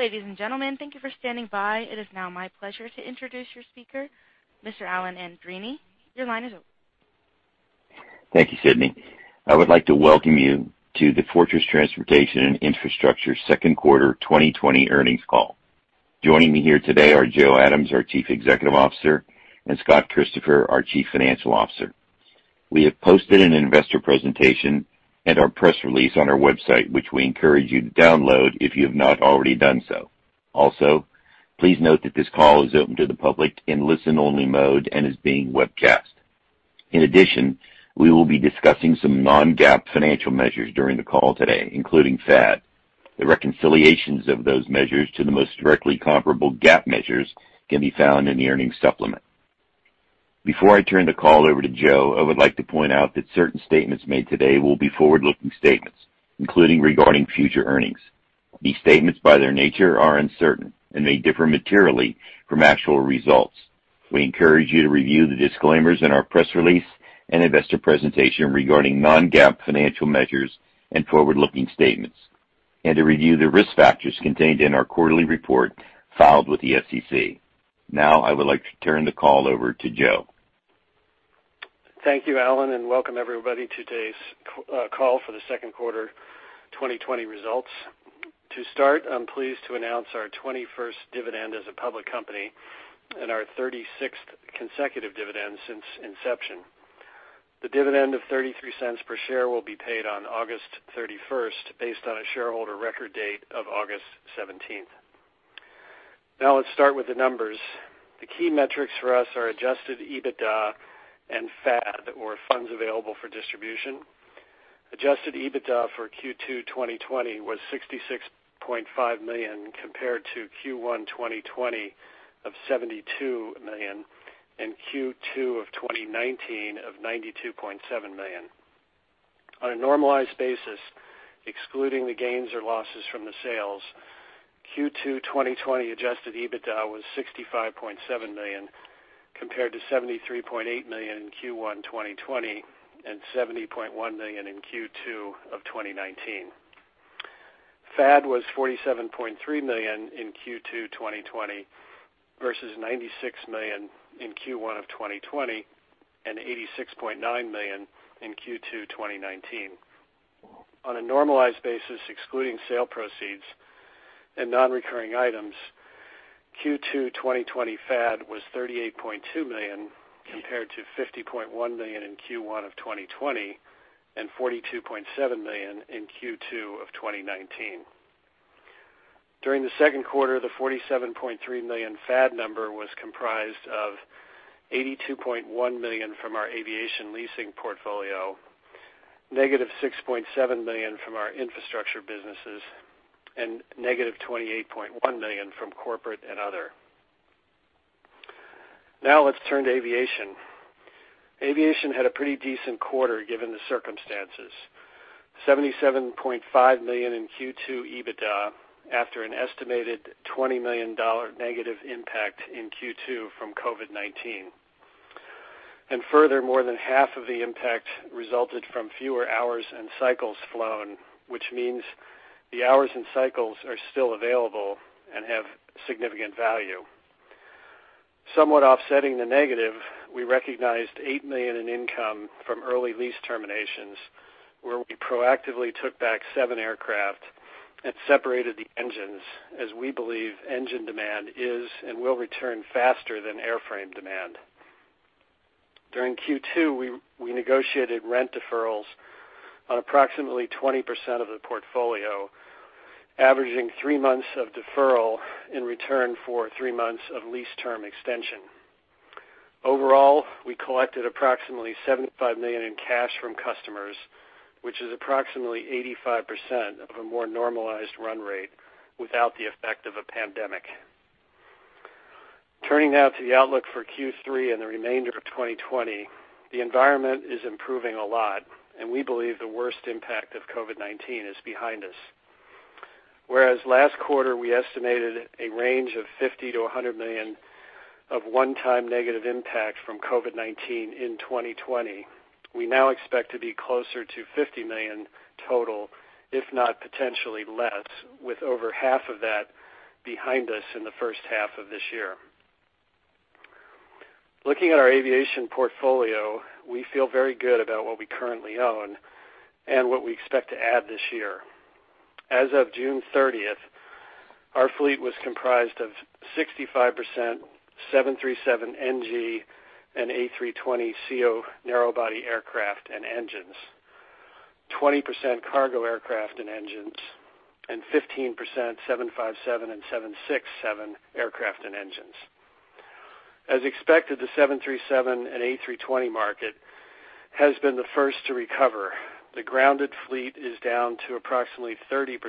Ladies and gentlemen, thank you for standing by. It is now my pleasure to introduce your speaker, Mr. Alan Andreini. Your line is open. Thank you, Sydney. I would like to welcome you to the Fortress Transportation and Infrastructure Q2 2020 Earnings Call. Joining me here today are Joe Adams, our Chief Executive Officer, and Scott Christopher, our Chief Financial Officer. We have posted an investor presentation and our press release on our website, which we encourage you to download if you have not already done so. Also, please note that this call is open to the public in listen-only mode and is being webcast. In addition, we will be discussing some non-GAAP financial measures during the call today, including FAD. The reconciliations of those measures to the most directly comparable GAAP measures can be found in the earnings supplement. Before I turn the call over to Joe, I would like to point out that certain statements made today will be forward-looking statements, including regarding future earnings. These statements, by their nature, are uncertain and may differ materially from actual results. We encourage you to review the disclaimers in our press release and investor presentation regarding non-GAAP financial measures and forward-looking statements, and to review the risk factors contained in our quarterly report filed with the SEC. Now, I would like to turn the call over to Joe. Thank you, Alan, and welcome everybody to today's call for the Q2 2020 results. To start, I'm pleased to announce our 21st dividend as a public company and our 36th consecutive dividend since inception. The dividend of $0.33 per share will be paid on August 31st based on a shareholder record date of August 17th. Now, let's start with the numbers. The key metrics for us are Adjusted EBITDA and FAD, or funds available for distribution. Adjusted EBITDA for Q2 2020 was $66.5 million compared to Q1 2020 of $72 million and Q2 of 2019 of $92.7 million. On a normalized basis, excluding the gains or losses from the sales, Q2 2020 Adjusted EBITDA was $65.7 million compared to $73.8 million in Q1 2020 and $70.1 million in Q2 of 2019. FAD was $47.3 million in Q2 2020 versus $96 million in Q1 of 2020 and $86.9 million in Q2 2019. On a normalized basis, excluding sale proceeds and non-recurring items, Q2 2020 FAD was $38.2 million compared to $50.1 million in Q1 of 2020 and $42.7 million in Q2 of 2019. During the Q2, the $47.3 million FAD number was comprised of $82.1 million from our aviation leasing portfolio, negative $6.7 million from our infrastructure businesses, and negative $28.1 million from corporate and other. Now, let's turn to aviation. Aviation had a pretty decent quarter given the circumstances: $77.5 million in Q2 EBITDA after an estimated $20 million negative impact in Q2 from COVID-19, and further, more than half of the impact resulted from fewer hours and cycles flown, which means the hours and cycles are still available and have significant value. Somewhat offsetting the negative, we recognized $8 million in income from early lease terminations, where we proactively took back seven aircraft and separated the engines, as we believe engine demand is and will return faster than airframe demand. During Q2, we negotiated rent deferrals on approximately 20% of the portfolio, averaging three months of deferral in return for three months of lease term extension. Overall, we collected approximately $75 million in cash from customers, which is approximately 85% of a more normalized run rate without the effect of a pandemic. Turning now to the outlook for Q3 and the remainder of 2020, the environment is improving a lot, and we believe the worst impact of COVID-19 is behind us. Whereas last quarter, we estimated a range of $50 million-$100 million of one-time negative impact from COVID-19 in 2020, we now expect to be closer to $50 million total, if not potentially less, with over half of that behind us in the first half of this year. Looking at our aviation portfolio, we feel very good about what we currently own and what we expect to add this year. As of June 30th, our fleet was comprised of 65% 737NG and A320ceo narrowbody aircraft and engines, 20% cargo aircraft and engines, and 15% 757 and 767 aircraft and engines. As expected, the 737 and A320 market has been the first to recover. The grounded fleet is down to approximately 30%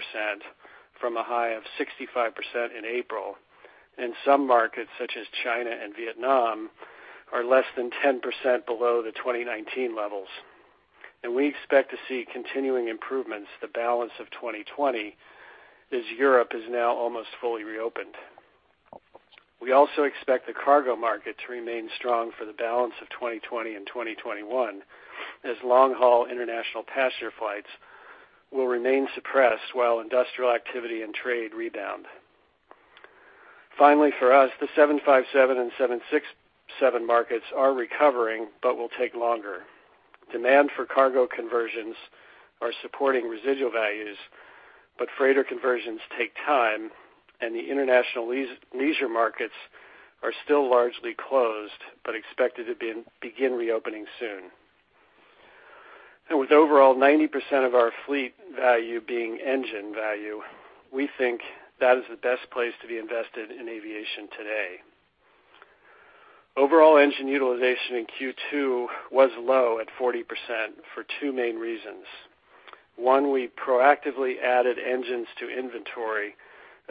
from a high of 65% in April, and some markets, such as China and Vietnam, are less than 10% below the 2019 levels. And we expect to see continuing improvements to the balance of 2020, as Europe is now almost fully reopened. We also expect the cargo market to remain strong for the balance of 2020 and 2021, as long-haul international passenger flights will remain suppressed while industrial activity and trade rebound. Finally, for us, the 757 and 767 markets are recovering but will take longer. Demand for cargo conversions are supporting residual values, but freighter conversions take time, and the international leisure markets are still largely closed but expected to begin reopening soon. And with overall 90% of our fleet value being engine value, we think that is the best place to be invested in aviation today. Overall engine utilization in Q2 was low at 40% for two main reasons. One, we proactively added engines to inventory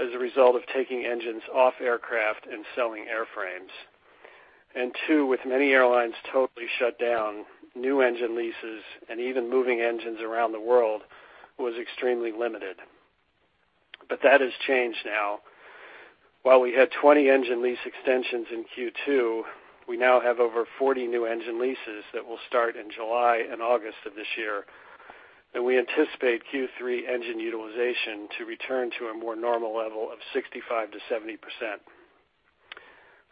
as a result of taking engines off aircraft and selling airframes. Two, with many airlines totally shut down, new engine leases and even moving engines around the world was extremely limited. But that has changed now. While we had 20 engine lease extensions in Q2, we now have over 40 new engine leases that will start in July and August of this year, and we anticipate Q3 engine utilization to return to a more normal level of 65%-70%.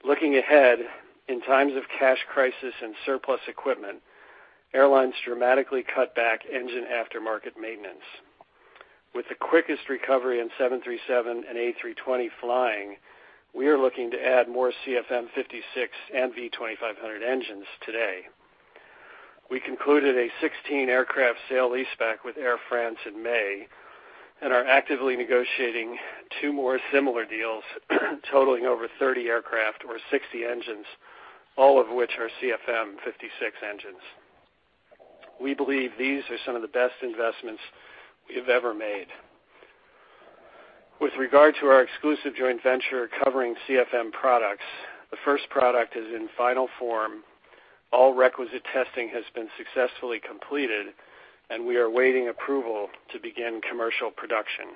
Looking ahead, in times of cash crisis and surplus equipment, airlines dramatically cut back engine aftermarket maintenance. With the quickest recovery in 737 and A320 flying, we are looking to add more CFM56 and V2500 engines to date. We concluded a 16-aircraft sale-leaseback with Air France in May and are actively negotiating two more similar deals totaling over 30 aircraft or 60 engines, all of which are CFM56 engines. We believe these are some of the best investments we have ever made. With regard to our exclusive joint venture covering CFM products, the first product is in final form. All requisite testing has been successfully completed, and we are waiting approval to begin commercial production.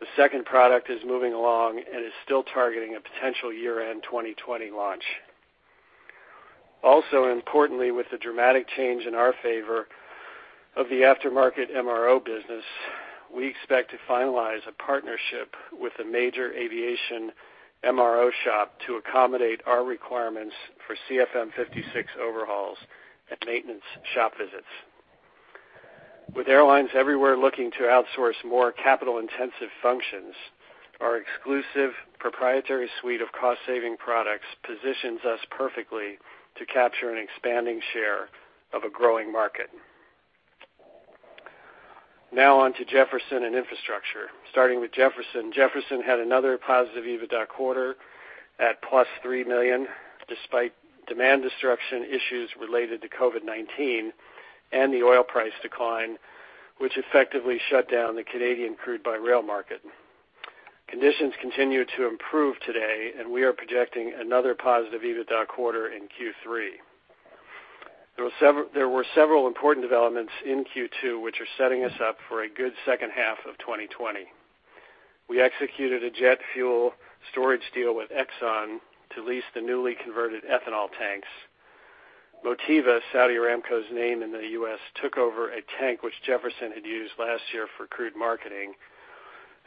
The second product is moving along and is still targeting a potential year-end 2020 launch. Also, importantly, with the dramatic change in our favor of the aftermarket MRO business, we expect to finalize a partnership with a major aviation MRO shop to accommodate our requirements for CFM56 overhauls and maintenance shop visits. With airlines everywhere looking to outsource more capital-intensive functions, our exclusive proprietary suite of cost-saving products positions us perfectly to capture an expanding share of a growing market. Now, on to Jefferson and infrastructure. Starting with Jefferson, Jefferson had another positive EBITDA quarter at $3 million despite demand destruction issues related to COVID-19 and the oil price decline, which effectively shut down the Canadian crude by rail market. Conditions continue to improve today, and we are projecting another positive EBITDA quarter in Q3. There were several important developments in Q2 which are setting us up for a good second half of 2020. We executed a jet fuel storage deal with Exxon to lease the newly converted ethanol tanks. Motiva, Saudi Aramco's name in the U.S., took over a tank which Jefferson had used last year for crude marketing.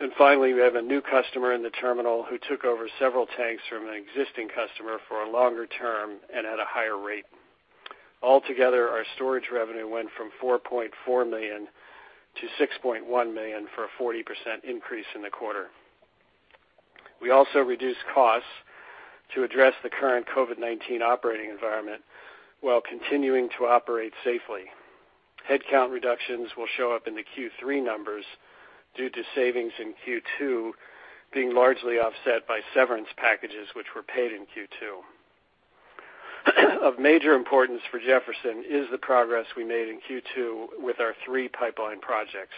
And finally, we have a new customer in the terminal who took over several tanks from an existing customer for a longer term and at a higher rate. Altogether, our storage revenue went from $4.4 million to $6.1 million for a 40% increase in the quarter. We also reduced costs to address the current COVID-19 operating environment while continuing to operate safely. Headcount reductions will show up in the Q3 numbers due to savings in Q2 being largely offset by severance packages which were paid in Q2. Of major importance for Jefferson is the progress we made in Q2 with our three pipeline projects.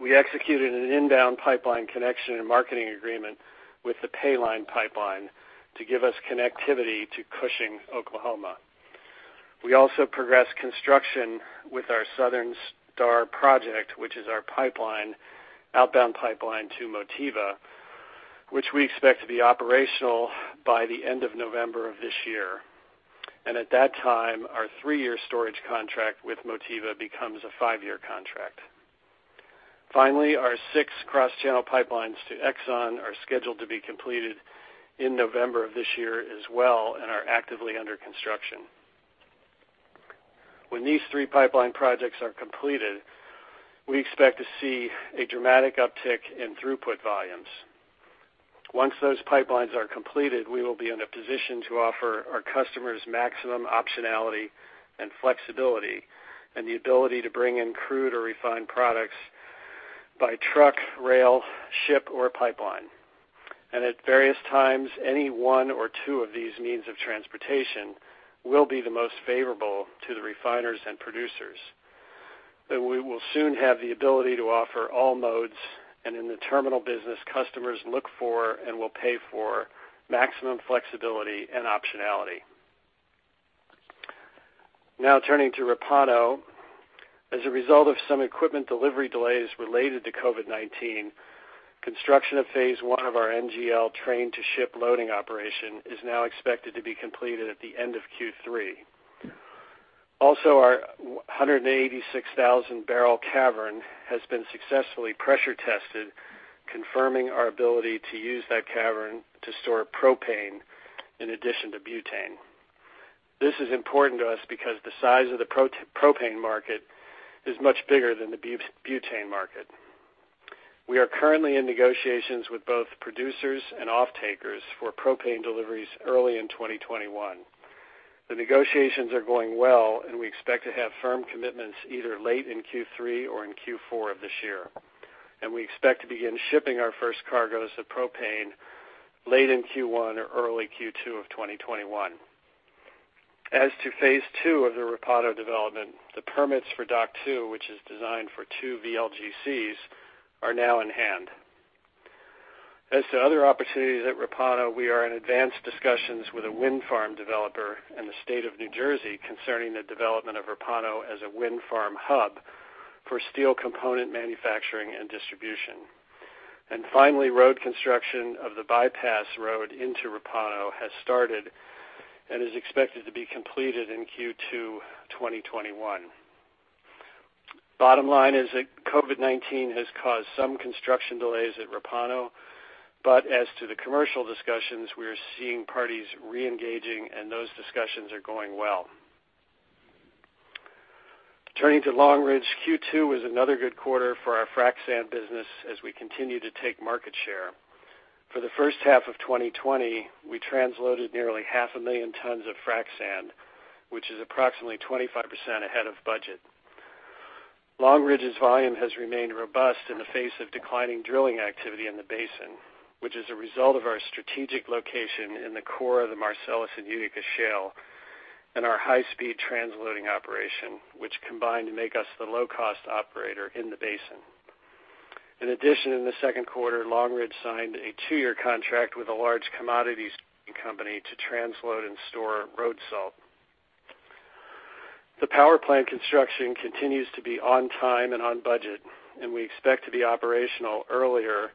We executed an inbound pipeline connection and marketing agreement with the Paline Pipeline to give us connectivity to Cushing, Oklahoma. We also progressed construction with our Southern Star project, which is our outbound pipeline to Motiva, which we expect to be operational by the end of November of this year, and at that time, our three-year storage contract with Motiva becomes a five-year contract. Finally, our six cross-channel pipelines to Exxon are scheduled to be completed in November of this year as well and are actively under construction. When these three pipeline projects are completed, we expect to see a dramatic uptick in throughput volumes. Once those pipelines are completed, we will be in a position to offer our customers maximum optionality and flexibility and the ability to bring in crude or refined products by truck, rail, ship, or pipeline. And at various times, any one or two of these means of transportation will be the most favorable to the refiners and producers. And we will soon have the ability to offer all modes, and in the terminal business, customers look for and will pay for maximum flexibility and optionality. Now, turning to Repauno. As a result of some equipment delivery delays related to COVID-19, construction of phase one of our NGL train-to-ship loading operation is now expected to be completed at the end of Q3. Also, our 186,000-barrel cavern has been successfully pressure tested, confirming our ability to use that cavern to store propane in addition to butane. This is important to us because the size of the propane market is much bigger than the butane market. We are currently in negotiations with both producers and off-takers for propane deliveries early in 2021. The negotiations are going well, and we expect to have firm commitments either late in Q3 or in Q4 of this year, and we expect to begin shipping our first cargoes of propane late in Q1 or early Q2 of 2021. As to phase two of the Repauno development, the permits for Dock 2, which is designed for two VLGCs, are now in hand. As to other opportunities at Repauno, we are in advanced discussions with a wind farm developer in the state of New Jersey concerning the development of Repauno as a wind farm hub for steel component manufacturing and distribution. And finally, road construction of the bypass road into Repauno has started and is expected to be completed in Q2 2021. Bottom line is that COVID-19 has caused some construction delays at Repauno, but as to the commercial discussions, we are seeing parties reengaging, and those discussions are going well. Turning to Long Ridge, Q2 was another good quarter for our frac sand business as we continue to take market share. For the first half of 2020, we transloaded nearly 500,000 tons of frac sand, which is approximately 25% ahead of budget. Long Ridge's volume has remained robust in the face of declining drilling activity in the basin, which is a result of our strategic location in the core of the Marcellus and Utica Shale and our high-speed transloading operation, which combined make us the low-cost operator in the basin. In addition, in the Q2, Long Ridge signed a two-year contract with a large commodities company to transload and store road salt. The power plant construction continues to be on time and on budget, and we expect to be operational earlier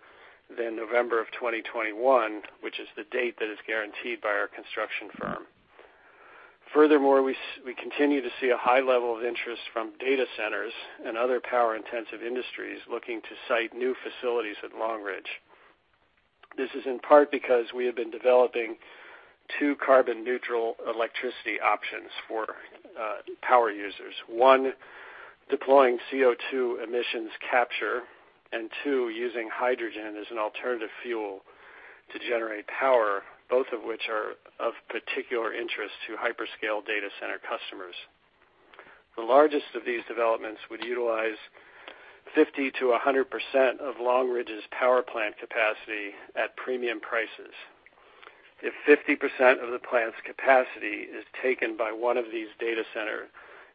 than November of 2021, which is the date that is guaranteed by our construction firm. Furthermore, we continue to see a high level of interest from data centers and other power-intensive industries looking to site new facilities at Long Ridge. This is in part because we have been developing two carbon-neutral electricity options for power users. One, deploying CO2 emissions capture, and two, using hydrogen as an alternative fuel to generate power, both of which are of particular interest to hyperscale data center customers. The largest of these developments would utilize 50%-100% of Long Ridge's power plant capacity at premium prices. If 50% of the plant's capacity is taken by one of these data center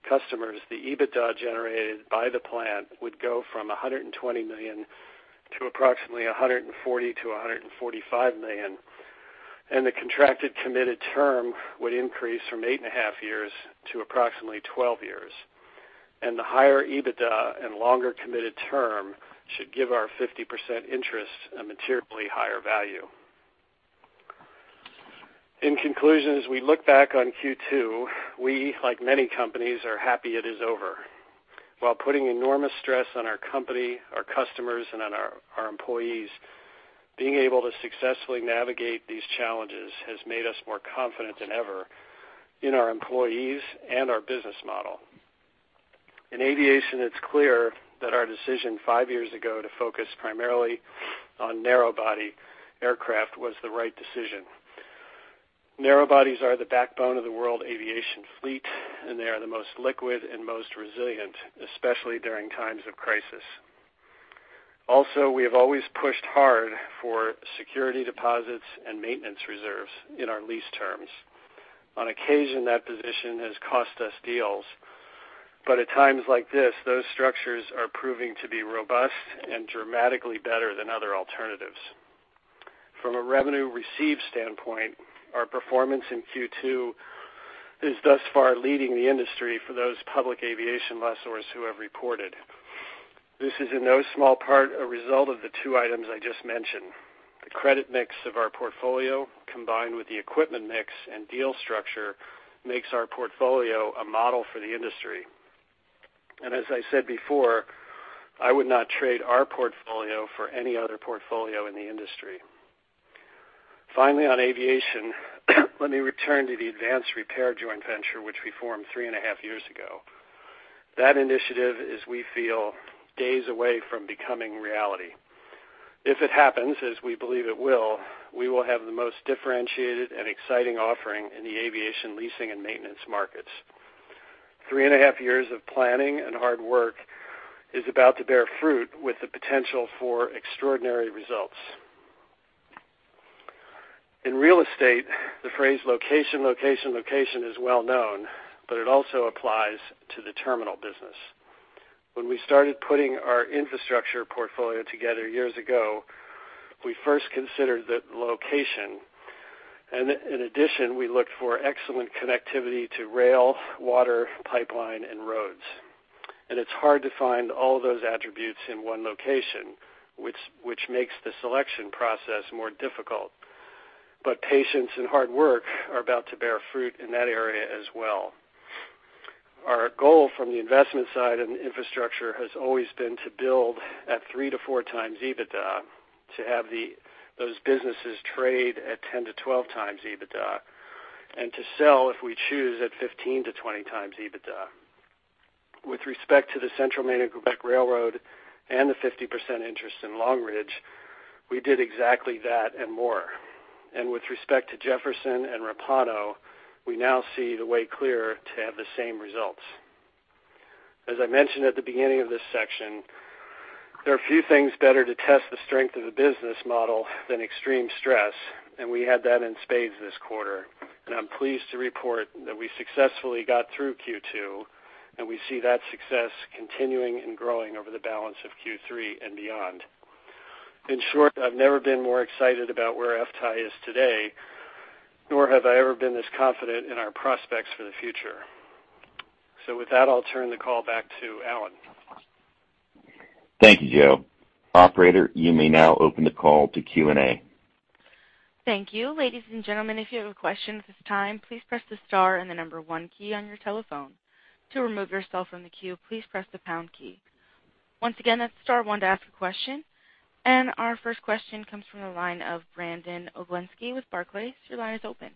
customers, the EBITDA generated by the plant would go from $120 million to approximately $140 million-$145 million, and the contracted committed term would increase from eight and a half years to approximately 12 years, and the higher EBITDA and longer committed term should give our 50% interest a materially higher value. In conclusion, as we look back on Q2, we, like many companies, are happy it is over. While putting enormous stress on our company, our customers, and on our employees, being able to successfully navigate these challenges has made us more confident than ever in our employees and our business model. In aviation, it's clear that our decision five years ago to focus primarily on narrow-body aircraft was the right decision. Narrow bodies are the backbone of the world aviation fleet, and they are the most liquid and most resilient, especially during times of crisis. Also, we have always pushed hard for security deposits and maintenance reserves in our lease terms. On occasion, that position has cost us deals, but at times like this, those structures are proving to be robust and dramatically better than other alternatives. From a revenue receive standpoint, our performance in Q2 is thus far leading the industry for those public aviation lessors who have reported. This is in no small part a result of the two items I just mentioned. The credit mix of our portfolio combined with the equipment mix and deal structure makes our portfolio a model for the industry. And as I said before, I would not trade our portfolio for any other portfolio in the industry. Finally, on aviation, let me return to the Advanced Repair Joint Venture, which we formed three and a half years ago. That initiative is, we feel, days away from becoming reality. If it happens, as we believe it will, we will have the most differentiated and exciting offering in the aviation leasing and maintenance markets. Three and a half years of planning and hard work is about to bear fruit with the potential for extraordinary results. In real estate, the phrase "location, location, location" is well known, but it also applies to the terminal business. When we started putting our infrastructure portfolio together years ago, we first considered the location, and in addition, we looked for excellent connectivity to rail, water, pipeline, and roads. And it's hard to find all those attributes in one location, which makes the selection process more difficult, but patience and hard work are about to bear fruit in that area as well. Our goal from the investment side and infrastructure has always been to build at three-to-four times EBITDA, to have those businesses trade at 10-12 times EBITDA, and to sell, if we choose, at 15-20 times EBITDA. With respect to the Central Maine & Quebec Railway and the 50% interest in Long Ridge, we did exactly that and more, and with respect to Jefferson and Repauno, we now see the way clear to have the same results. As I mentioned at the beginning of this section, there are a few things better to test the strength of the business model than extreme stress, and we had that in spades this quarter. And I'm pleased to report that we successfully got through Q2, and we see that success continuing and growing over the balance of Q3 and beyond. In short, I've never been more excited about where FTAI is today, nor have I ever been this confident in our prospects for the future, so with that, I'll turn the call back to Alan. Thank you, Joe. Operator, you may now open the call to Q&A. Thank you. Ladies and gentlemen, if you have a question at this time, please press the star and the number one key on your telephone. To remove yourself from the queue, please press the pound key. Once again, that's star one to ask a question. And our first question comes from the line of Brandon Oglenski with Barclays. Your line is open.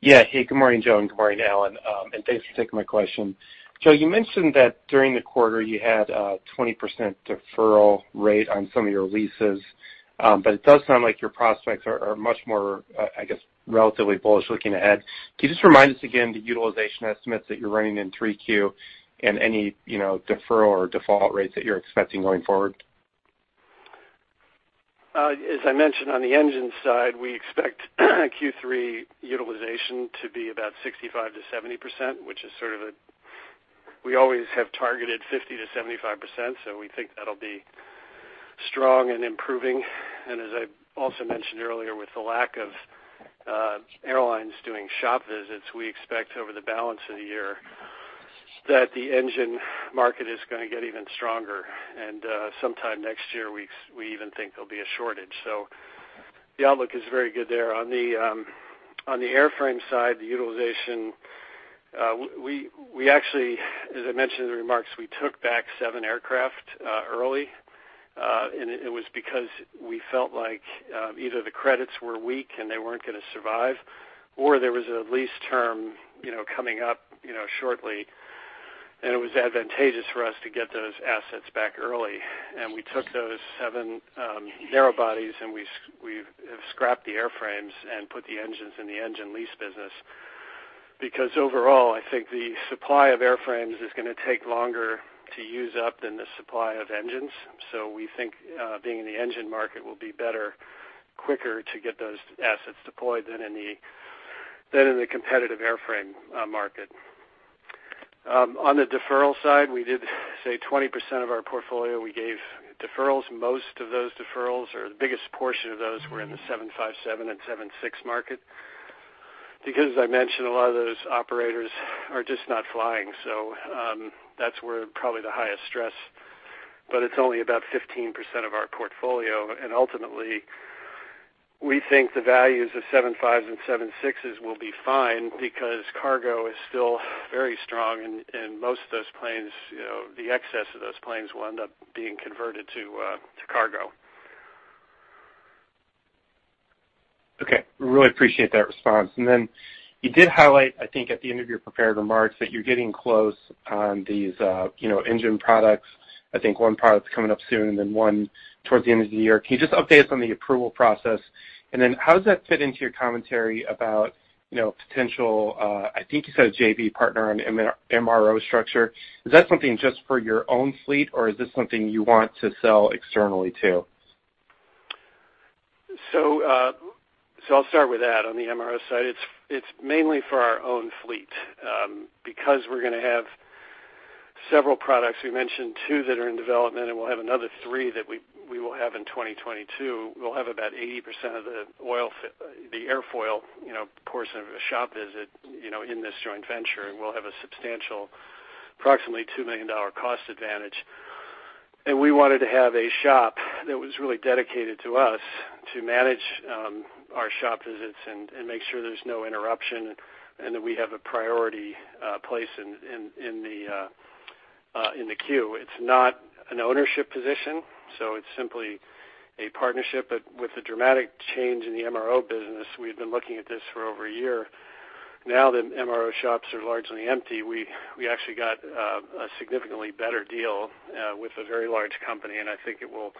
Yeah. Hey, good morning, Joe, and good morning, Alan. And thanks for taking my question. Joe, you mentioned that during the quarter you had a 20% deferral rate on some of your leases, but it does sound like your prospects are much more, I guess, relatively bullish looking ahead. Can you just remind us again the utilization estimates that you're running in 3Q and any deferral or default rates that you're expecting going forward? As I mentioned, on the engine side, we expect Q3 utilization to be about 65%-70%, which is sort of a we always have targeted 50%-75%, so we think that'll be strong and improving. And as I also mentioned earlier, with the lack of airlines doing shop visits, we expect over the balance of the year that the engine market is going to get even stronger. And sometime next year, we even think there'll be a shortage. So the outlook is very good there. On the airframe side, the utilization we actually, as I mentioned in the remarks, we took back seven aircraft early, and it was because we felt like either the credits were weak and they weren't going to survive, or there was a lease term coming up shortly, and it was advantageous for us to get those assets back early. And we took those seven narrow bodies, and we have scrapped the airframes and put the engines in the engine lease business because overall, I think the supply of airframes is going to take longer to use up than the supply of engines. So we think being in the engine market will be better, quicker to get those assets deployed than in the competitive airframe market. On the deferral side, we did say 20% of our portfolio we gave deferrals. Most of those deferrals or the biggest portion of those were in the 757 and 767 market because, as I mentioned, a lot of those operators are just not flying. So that's where probably the highest stress, but it's only about 15% of our portfolio. And ultimately, we think the values of 75s and 76s will be fine because cargo is still very strong, and most of those planes, the excess of those planes will end up being converted to cargo. Okay. Really appreciate that response. And then you did highlight, I think at the end of your prepared remarks, that you're getting close on these engine products. I think one product's coming up soon and then one towards the end of the year. Can you just update us on the approval process? And then how does that fit into your commentary about potential, I think you said a JV partner on MRO structure? Is that something just for your own fleet, or is this something you want to sell externally to? So I'll start with that. On the MRO side, it's mainly for our own fleet because we're going to have several products. We mentioned two that are in development, and we'll have another three that we will have in 2022. We'll have about 80% of the airfoil portion of a shop visit in this joint venture, and we'll have a substantial, approximately $2 million cost advantage. And we wanted to have a shop that was really dedicated to us to manage our shop visits and make sure there's no interruption and that we have a priority place in the queue. It's not an ownership position, so it's simply a partnership. But with the dramatic change in the MRO business, we've been looking at this for over a year. Now that MRO shops are largely empty, we actually got a significantly better deal with a very large company, and I think it will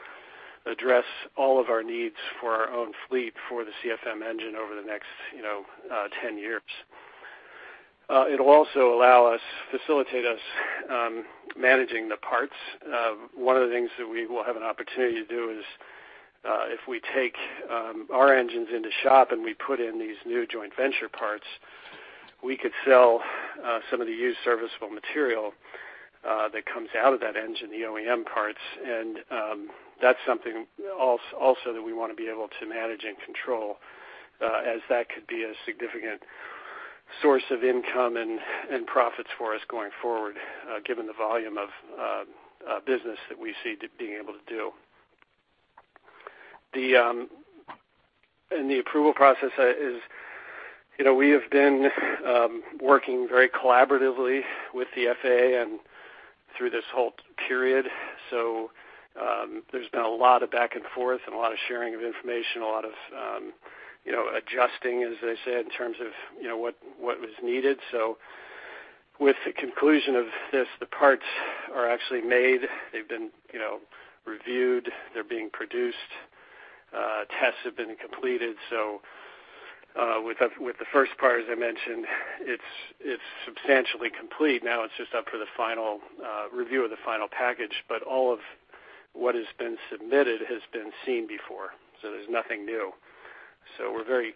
address all of our needs for our own fleet for the CFM engine over the next 10 years. It'll also allow us, facilitate us managing the parts. One of the things that we will have an opportunity to do is if we take our engines into shop and we put in these new joint venture parts, we could sell some of the used serviceable material that comes out of that engine, the OEM parts. And that's something also that we want to be able to manage and control as that could be a significant source of income and profits for us going forward, given the volume of business that we see being able to do. And the approval process is we have been working very collaboratively with the FAA through this whole period. So there's been a lot of back and forth and a lot of sharing of information, a lot of adjusting, as they say, in terms of what was needed. So with the conclusion of this, the parts are actually made. They've been reviewed. They're being produced. Tests have been completed. So with the first part, as I mentioned, it's substantially complete. Now it's just up for the final review of the final package, but all of what has been submitted has been seen before. So there's nothing new. So we're very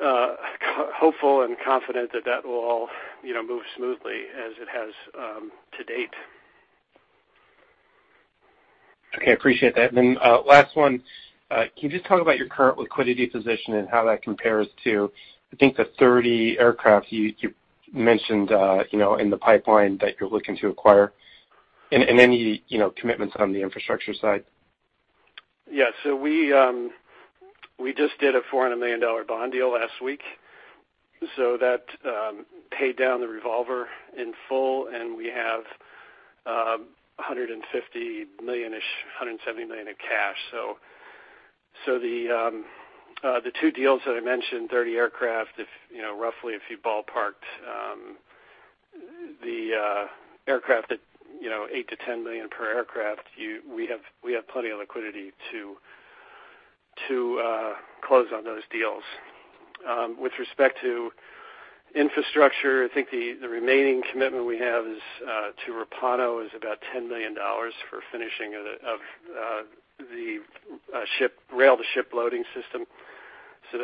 hopeful and confident that that will all move smoothly as it has to date. Okay. I appreciate that. And then last one, can you just talk about your current liquidity position and how that compares to, I think, the 30 aircraft you mentioned in the pipeline that you're looking to acquire and any commitments on the infrastructure side? Yeah. So we just did a $400 million bond deal last week. So that paid down the revolver in full, and we have $150 million-ish, $170 million in cash. So the two deals that I mentioned, 30 aircraft, roughly if you ballparked the aircraft at $8 million-$10 million per aircraft, we have plenty of liquidity to close on those deals. With respect to infrastructure, I think the remaining commitment we have to Repauno is about $10 million for finishing of the rail-to-ship loading system. So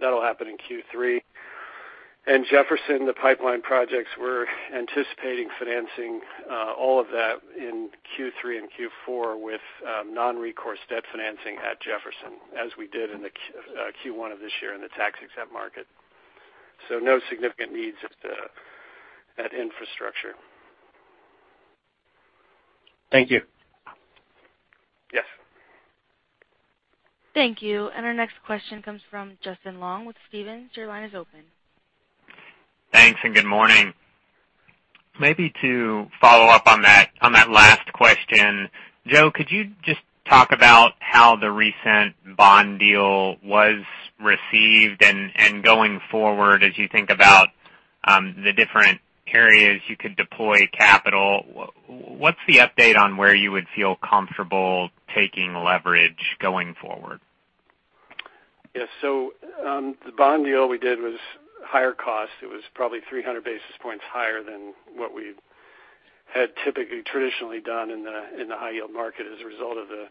that'll happen in Q3. And Jefferson, the pipeline projects, we're anticipating financing all of that in Q3 and Q4 with non-recourse debt financing at Jefferson, as we did in Q1 of this year in the tax-exempt market. So no significant needs at infrastructure. Thank you. Yes. Thank you. And our next question comes from Justin Long with Stephens. Your line is open. Thanks, and good morning. Maybe to follow up on that last question, Joe, could you just talk about how the recent bond deal was received? Going forward, as you think about the different areas you could deploy capital, what's the update on where you would feel comfortable taking leverage going forward? Yeah. So the bond deal we did was higher cost. It was probably 300 basis points higher than what we had typically traditionally done in the high-yield market as a result of the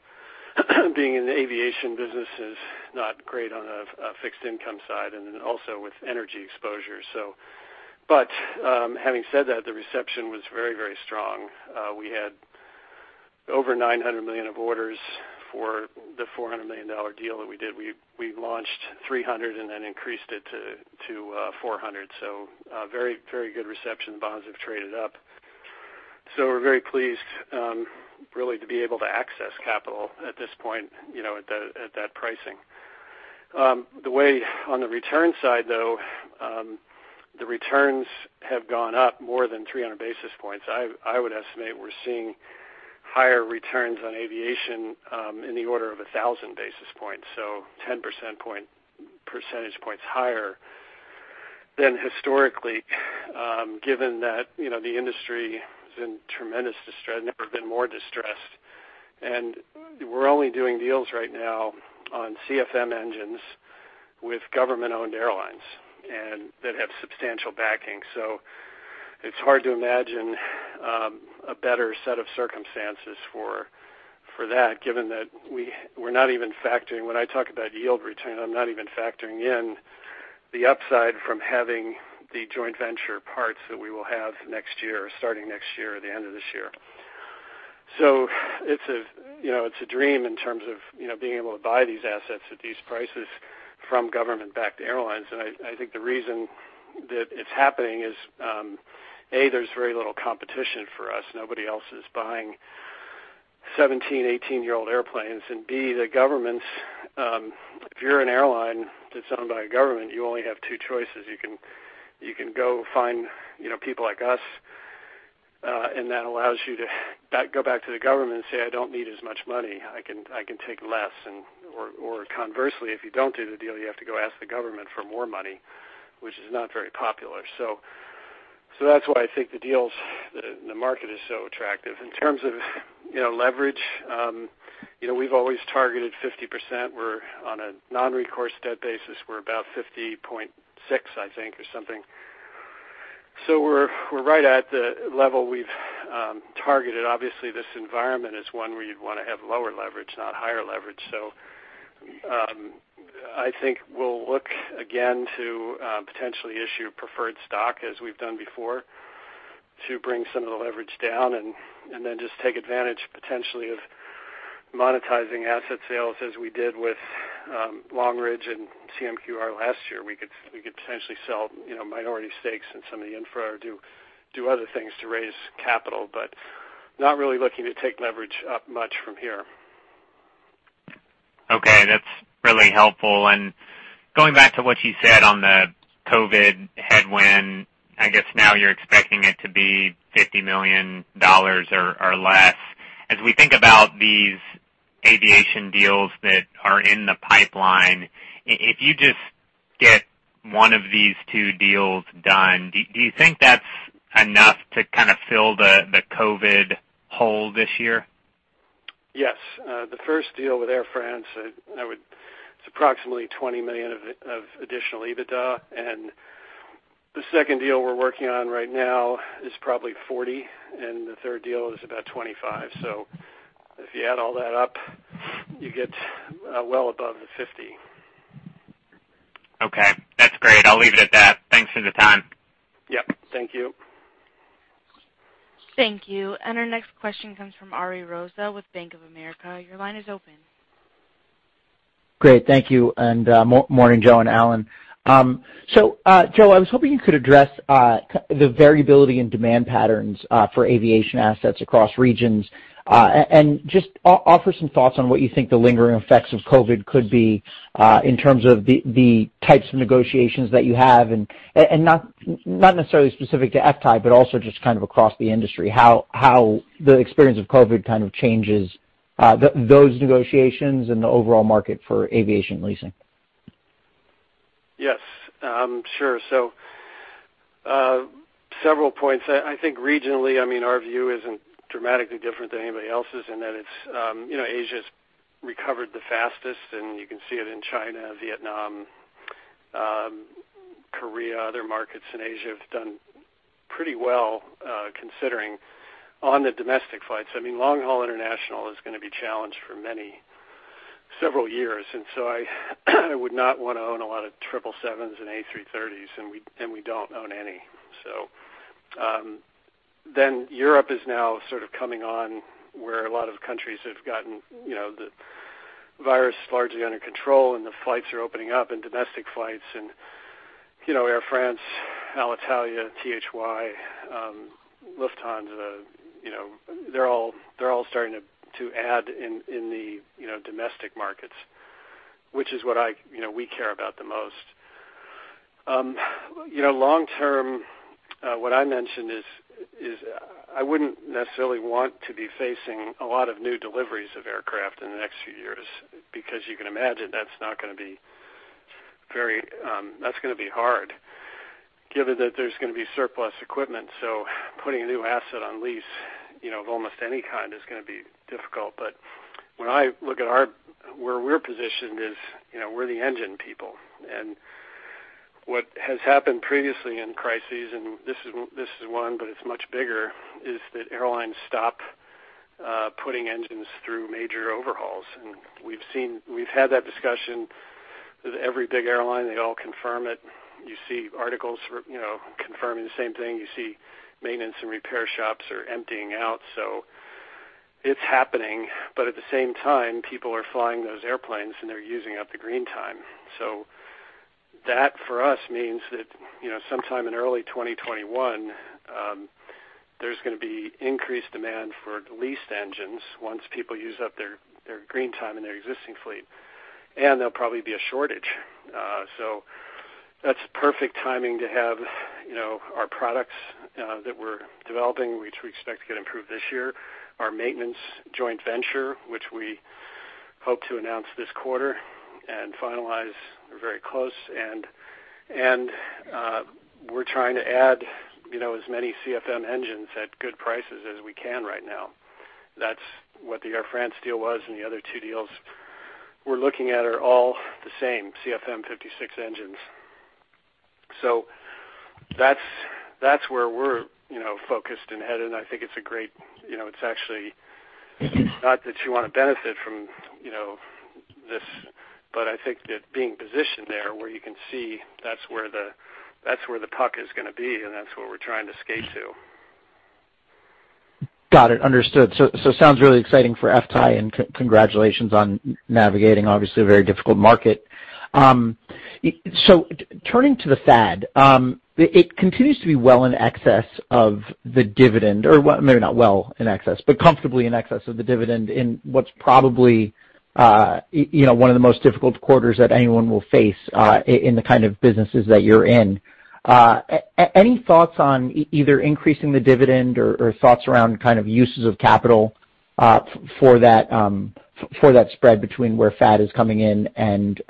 being in the aviation business is not great on a fixed-income side and then also with energy exposure. But having said that, the reception was very, very strong. We had over $900 million of orders for the $400 million deal that we did. We launched $300 million and then increased it to $400 million. So very, very good reception. The bonds have traded up. So we're very pleased, really, to be able to access capital at this point at that pricing. The way on the return side, though, the returns have gone up more than 300 basis points. I would estimate we're seeing higher returns on aviation in the order of 1,000 basis points, so 10 percentage points higher than historically, given that the industry is in tremendous distress, never been more distressed. And we're only doing deals right now on CFM engines with government-owned airlines that have substantial backing. So it's hard to imagine a better set of circumstances for that, given that we're not even factoring when I talk about yield return, I'm not even factoring in the upside from having the joint venture parts that we will have next year, starting next year or the end of this year. So it's a dream in terms of being able to buy these assets at these prices from government-backed airlines. And I think the reason that it's happening is, A, there's very little competition for us. Nobody else is buying 17, 18-year-old airplanes. And B, the governments, if you're an airline that's owned by a government, you only have two choices. You can go find people like us, and that allows you to go back to the government and say, "I don't need as much money. I can take less." Or conversely, if you don't do the deal, you have to go ask the government for more money, which is not very popular. So that's why I think the market is so attractive. In terms of leverage, we've always targeted 50%. We're on a non-recourse debt basis. We're about 50.6, I think, or something. So we're right at the level we've targeted. Obviously, this environment is one where you'd want to have lower leverage, not higher leverage. So I think we'll look again to potentially issue preferred stock, as we've done before, to bring some of the leverage down and then just take advantage potentially of monetizing asset sales as we did with Long Ridge and CMQR last year. We could potentially sell minority stakes in some of the infra or do other things to raise capital, but not really looking to take leverage up much from here. Okay. That's really helpful. And going back to what you said on the COVID headwind, I guess now you're expecting it to be $50 million or less. As we think about these aviation deals that are in the pipeline, if you just get one of these two deals done, do you think that's enough to kind of fill the COVID hole this year? Yes. The first deal with Air France, it's approximately $20 million of additional EBITDA. And the second deal we're working on right now is probably 40, and the third deal is about 25. So if you add all that up, you get well above the 50. Okay. That's great. I'll leave it at that. Thanks for the time. Yep. Thank you. Thank you. And our next question comes from Ariel Rosa with Bank of America. Your line is open. Great. Thank you. And good morning, Joe and Alan. So Joe, I was hoping you could address the variability in demand patterns for aviation assets across regions and just offer some thoughts on what you think the lingering effects of COVID could be in terms of the types of negotiations that you have and not necessarily specific to FTAI, but also just kind of across the industry, how the experience of COVID kind of changes those negotiations and the overall market for aviation leasing. Yes. Sure. So several points. I think regionally, I mean, our view isn't dramatically different than anybody else's in that Asia's recovered the fastest, and you can see it in China, Vietnam, Korea. Other markets in Asia have done pretty well considering on the domestic flights. I mean, long-haul international is going to be a challenge for many, several years. And so I would not want to own a lot of 777s and A330s, and we don't own any. So then Europe is now sort of coming on where a lot of countries have gotten the virus largely under control, and the flights are opening up and domestic flights. And Air France, Alitalia, THY, Lufthansa, they're all starting to add in the domestic markets, which is what we care about the most. Long-term, what I mentioned is I wouldn't necessarily want to be facing a lot of new deliveries of aircraft in the next few years because you can imagine that's not going to be very hard, given that there's going to be surplus equipment. So putting a new asset on lease of almost any kind is going to be difficult, but when I look at where we're positioned, we're the engine people. And what has happened previously in crises, and this is one, but it's much bigger, is that airlines stop putting engines through major overhauls. And we've had that discussion with every big airline. They all confirm it. You see articles confirming the same thing. You see maintenance and repair shops are emptying out. So it's happening, but at the same time, people are flying those airplanes, and they're using up the green time. So that, for us, means that sometime in early 2021, there's going to be increased demand for leased engines once people use up their green time in their existing fleet. And there'll probably be a shortage. So that's perfect timing to have our products that we're developing, which we expect to get improved this year, our maintenance joint venture, which we hope to announce this quarter and finalize very close. And we're trying to add as many CFM56 engines at good prices as we can right now. That's what the Air France deal was, and the other two deals we're looking at are all the same CFM56 engines. So that's where we're focused and headed. I think it's great. It's actually not that you want to benefit from this, but I think that being positioned there where you can see, that's where the puck is going to be, and that's where we're trying to skate to. Got it. Understood. It sounds really exciting for FTAI, and congratulations on navigating, obviously, a very difficult market. Turning to the FAD, it continues to be well in excess of the dividend, or maybe not well in excess, but comfortably in excess of the dividend in what's probably one of the most difficult quarters that anyone will face in the kind of businesses that you're in. Any thoughts on either increasing the dividend or thoughts around kind of uses of capital for that spread between where FAD is coming in and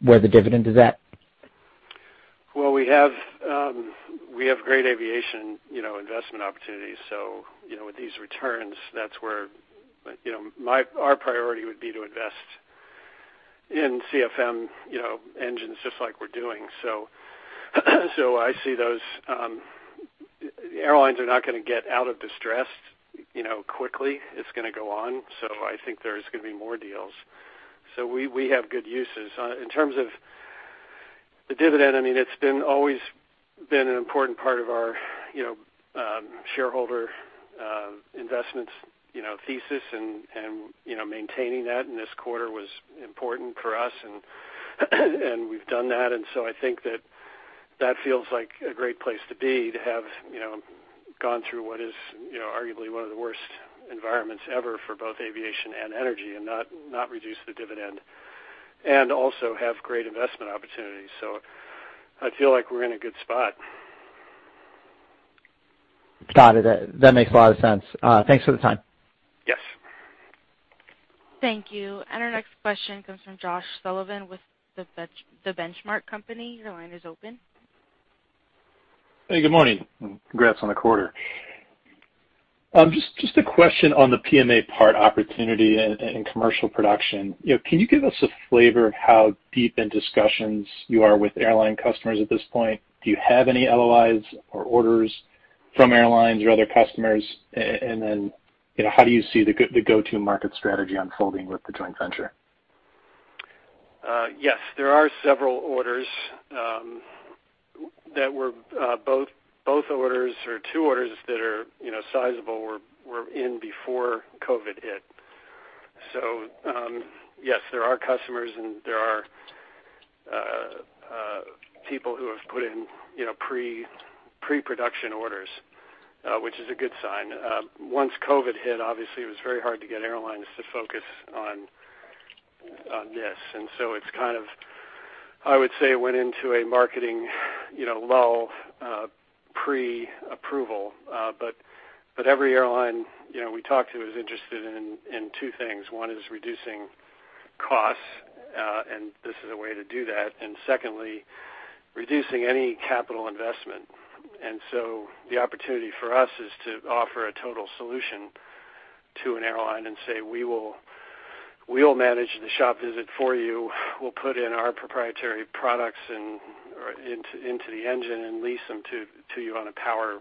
where the dividend is at? We have great aviation investment opportunities. So with these returns, that's where our priority would be to invest in CFM engines just like we're doing. So I see those airlines are not going to get out of distress quickly. It's going to go on. So I think there's going to be more deals. So we have good uses. In terms of the dividend, I mean, it's always been an important part of our shareholder investments thesis, and maintaining that in this quarter was important for us, and we've done that. And so I think that that feels like a great place to be to have gone through what is arguably one of the worst environments ever for both aviation and energy and not reduce the dividend and also have great investment opportunities. So I feel like we're in a good spot. Got it. That makes a lot of sense. Thanks for the time. Yes. Thank you. Our next question comes from Josh Sullivan with The Benchmark Company. Your line is open. Hey, good morning. Congrats on the quarter. Just a question on the PMA part opportunity and commercial production. Can you give us a flavor of how deep in discussions you are with airline customers at this point? Do you have any LOIs or orders from airlines or other customers? And then how do you see the go-to-market strategy unfolding with the joint venture? Yes. There are several orders that we have. Both orders or two orders that are sizable. We were in before COVID hit. So yes, there are customers, and there are people who have put in pre-production orders, which is a good sign. Once COVID hit, obviously, it was very hard to get airlines to focus on this. It's kind of, I would say, went into a marketing lull pre-approval. But every airline we talked to is interested in two things. One is reducing costs, and this is a way to do that. And secondly, reducing any capital investment. And so the opportunity for us is to offer a total solution to an airline and say, "We will manage the shop visit for you. We'll put in our proprietary products into the engine and lease them to you on a power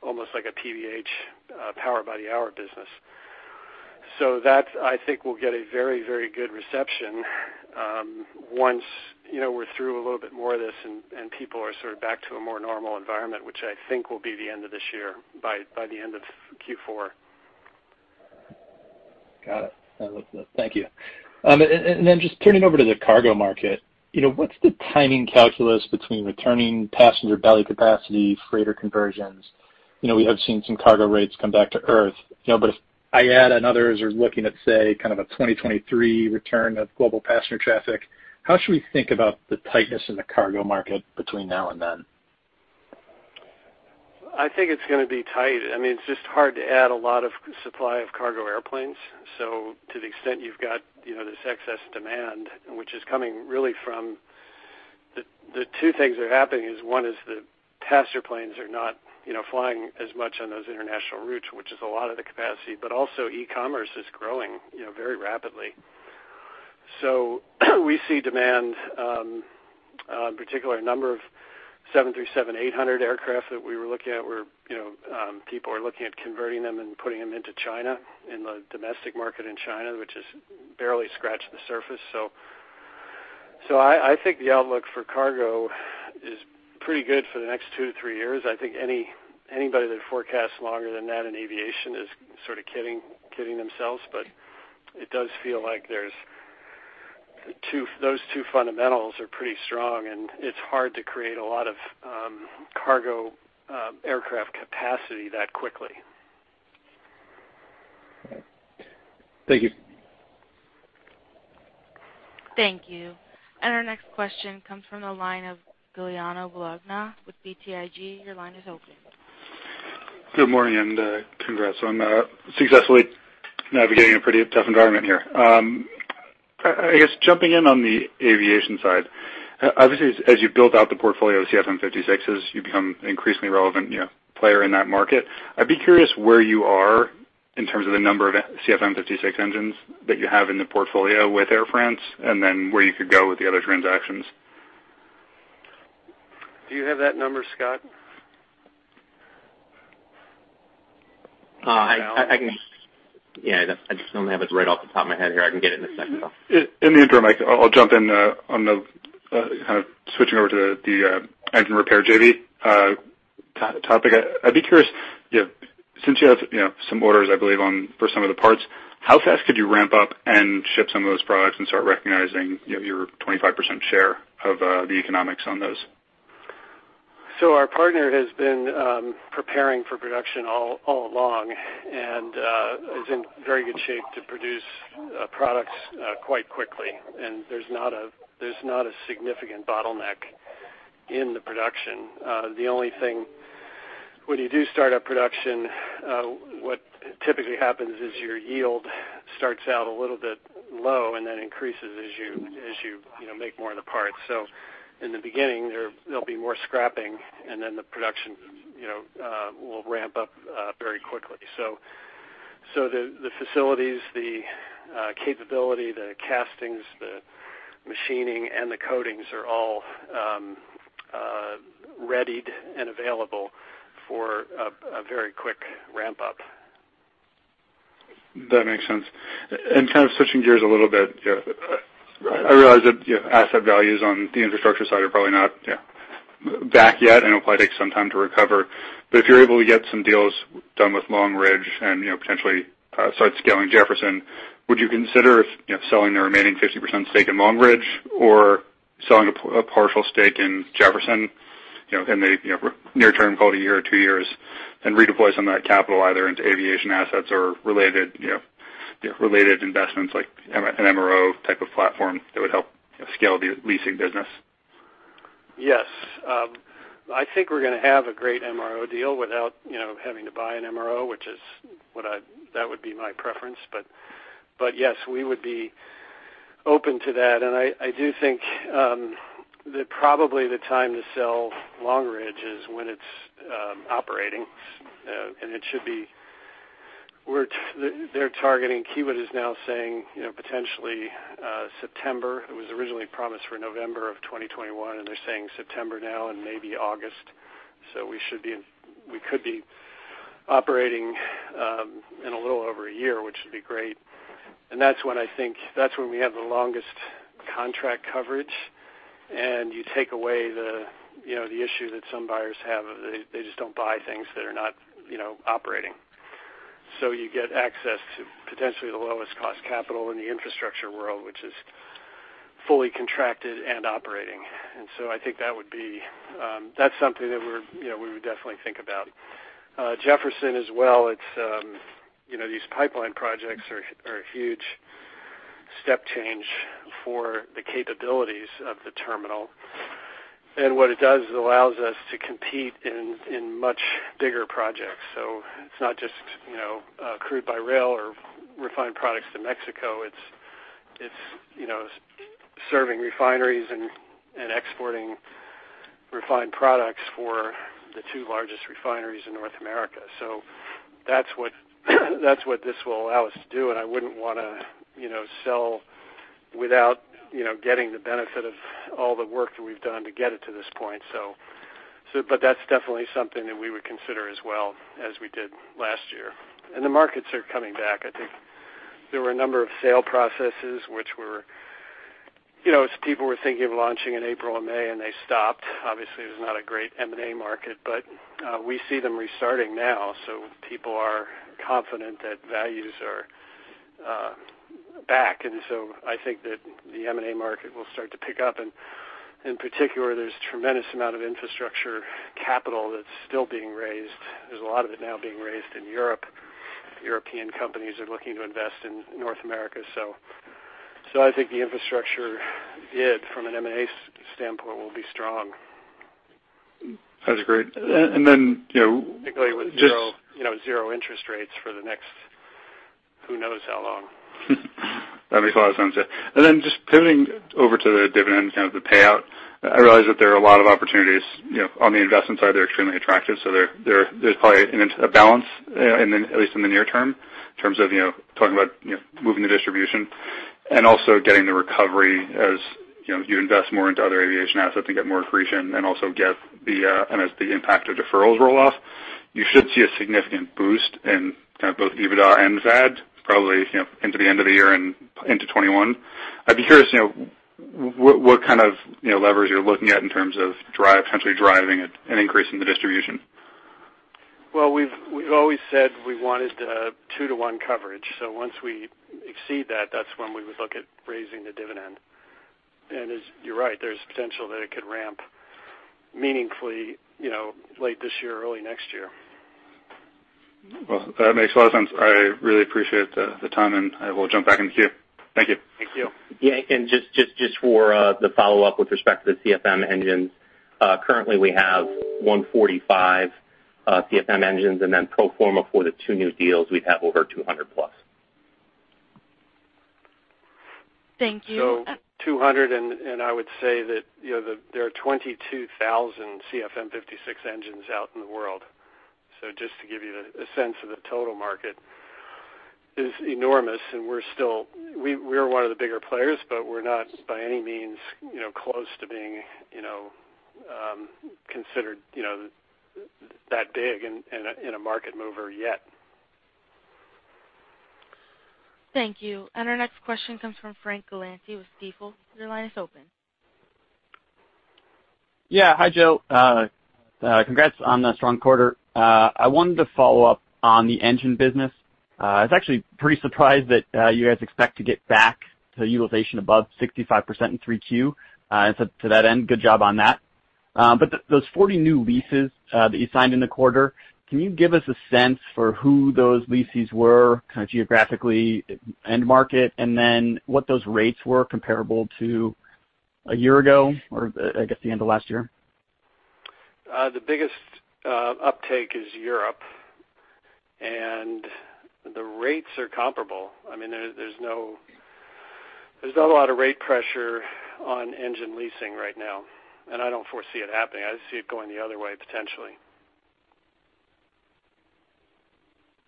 almost like a power by the hour business." So that, I think, will get a very, very good reception once we're through a little bit more of this and people are sort of back to a more normal environment, which I think will be the end of this year, by the end of Q4. Got it. Thank you. And then just turning over to the cargo market, what's the timing calculus between returning passenger belly capacity, freighter conversions? We have seen some cargo rates come back to earth. But if IATA and others are looking at, say, kind of a 2023 return of global passenger traffic, how should we think about the tightness in the cargo market between now and then? I think it's going to be tight. I mean, it's just hard to add a lot of supply of cargo airplanes. So to the extent you've got this excess demand, which is coming really from the two things that are happening is one is the passenger planes are not flying as much on those international routes, which is a lot of the capacity, but also e-commerce is growing very rapidly. So we see demand, particularly a number of 737-800 aircraft that we were looking at where people are looking at converting them and putting them into China in the domestic market in China, which has barely scratched the surface. So I think the outlook for cargo is pretty good for the next two to three years. I think anybody that forecasts longer than that in aviation is sort of kidding themselves. But it does feel like those two fundamentals are pretty strong, and it's hard to create a lot of cargo aircraft capacity that quickly. Thank you. Thank you. And our next question comes from the line of Giuliano Bologna with BTIG. Your line is open. Good morning, and congrats. I'm successfully navigating a pretty tough environment here. I guess jumping in on the aviation side, obviously, as you build out the portfolio of CFM56s, you become an increasingly relevant player in that market. I'd be curious where you are in terms of the number of CFM56 engines that you have in the portfolio with Air France and then where you could go with the other transactions. Do you have that number, Scott? I can. Yeah, I just don't have it right off the top of my head here. I can get it in a second, though. In the interim, I'll jump in on the kind of switching over to the engine repair JV topic. I'd be curious, since you have some orders, I believe, for some of the parts, how fast could you ramp up and ship some of those products and start recognizing your 25% share of the economics on those? So our partner has been preparing for production all along and is in very good shape to produce products quite quickly. And there's not a significant bottleneck in the production. The only thing, when you do startup production, what typically happens is your yield starts out a little bit low and then increases as you make more of the parts. So in the beginning, there'll be more scrapping, and then the production will ramp up very quickly. So the facilities, the capability, the castings, the machining, and the coatings are all readied and available for a very quick ramp-up. That makes sense. And kind of switching gears a little bit, I realize that asset values on the infrastructure side are probably not back yet, and it'll probably take some time to recover. But if you're able to get some deals done with Long Ridge and potentially start scaling Jefferson, would you consider selling the remaining 50% stake in Long Ridge or selling a partial stake in Jefferson in the near term, call it a year or two years, and redeploy some of that capital either into aviation assets or related investments like an MRO type of platform that would help scale the leasing business? Yes. I think we're going to have a great MRO deal without having to buy an MRO, which is what I that would be my preference. But yes, we would be open to that. And I do think that probably the time to sell Long Ridge is when it's operating. And it should be they're targeting Kiewit is now saying potentially September. It was originally promised for November of 2021, and they're saying September now and maybe August. We could be operating in a little over a year, which would be great. That's when I think we have the longest contract coverage. You take away the issue that some buyers have that they just don't buy things that are not operating. You get access to potentially the lowest cost capital in the infrastructure world, which is fully contracted and operating. I think that would be something that we would definitely think about. Jefferson as well. These pipeline projects are a huge step change for the capabilities of the terminal. What it does is it allows us to compete in much bigger projects. It's not just crude by rail or refined products to Mexico. It's serving refineries and exporting refined products for the two largest refineries in North America. So that's what this will allow us to do. And I wouldn't want to sell without getting the benefit of all the work that we've done to get it to this point. But that's definitely something that we would consider as well as we did last year. And the markets are coming back. I think there were a number of sale processes which people were thinking of launching in April and May, and they stopped. Obviously, it was not a great M&A market, but we see them restarting now. So people are confident that values are back. And so I think that the M&A market will start to pick up. And in particular, there's a tremendous amount of infrastructure capital that's still being raised. There's a lot of it now being raised in Europe. European companies are looking to invest in North America. I think the infrastructure bid from an M&A standpoint will be strong. That's great. And then just zero interest rates for the next who knows how long. That makes a lot of sense. And then just pivoting over to the dividend, kind of the payout, I realize that there are a lot of opportunities on the investment side. They're extremely attractive. So there's probably a balance, at least in the near term, in terms of talking about moving the distribution and also getting the recovery as you invest more into other aviation assets and get more accretion and also get the impact of deferrals roll off. You should see a significant boost in kind of both EBITDA and FAD probably into the end of the year and into 2021. I'd be curious what kind of levers you're looking at in terms of potentially driving an increase in the distribution. We've always said we wanted two-to-one coverage. So once we exceed that, that's when we would look at raising the dividend. And you're right. There's potential that it could ramp meaningfully late this year, early next year. That makes a lot of sense. I really appreciate the time, and I will jump back into Q. Thank you. Thank you. Yeah. And just for the follow-up with respect to the CFM56 engines, currently we have 145 CFM56 engines, and then pro forma for the two new deals, we'd have over 200 plus. Thank you. So 200, and I would say that there are 22,000 CFM56 engines out in the world. So just to give you a sense of the total market is enormous. And we're still one of the bigger players, but we're not by any means close to being considered that big and a market mover yet. Thank you. And our next question comes from Frank Galanti with Stifel. Your line is open. Yeah. Hi, Joe. Congrats on the strong quarter. I wanted to follow up on the engine business. I was actually pretty surprised that you guys expect to get back to utilization above 65% in 3Q. And so to that end, good job on that. But those 40 new leases that you signed in the quarter, can you give us a sense for who those leases were kind of geographically and market, and then what those rates were comparable to a year ago or, I guess, the end of last year? The biggest uptake is Europe. And the rates are comparable. I mean, there's not a lot of rate pressure on engine leasing right now. And I don't foresee it happening. I see it going the other way potentially.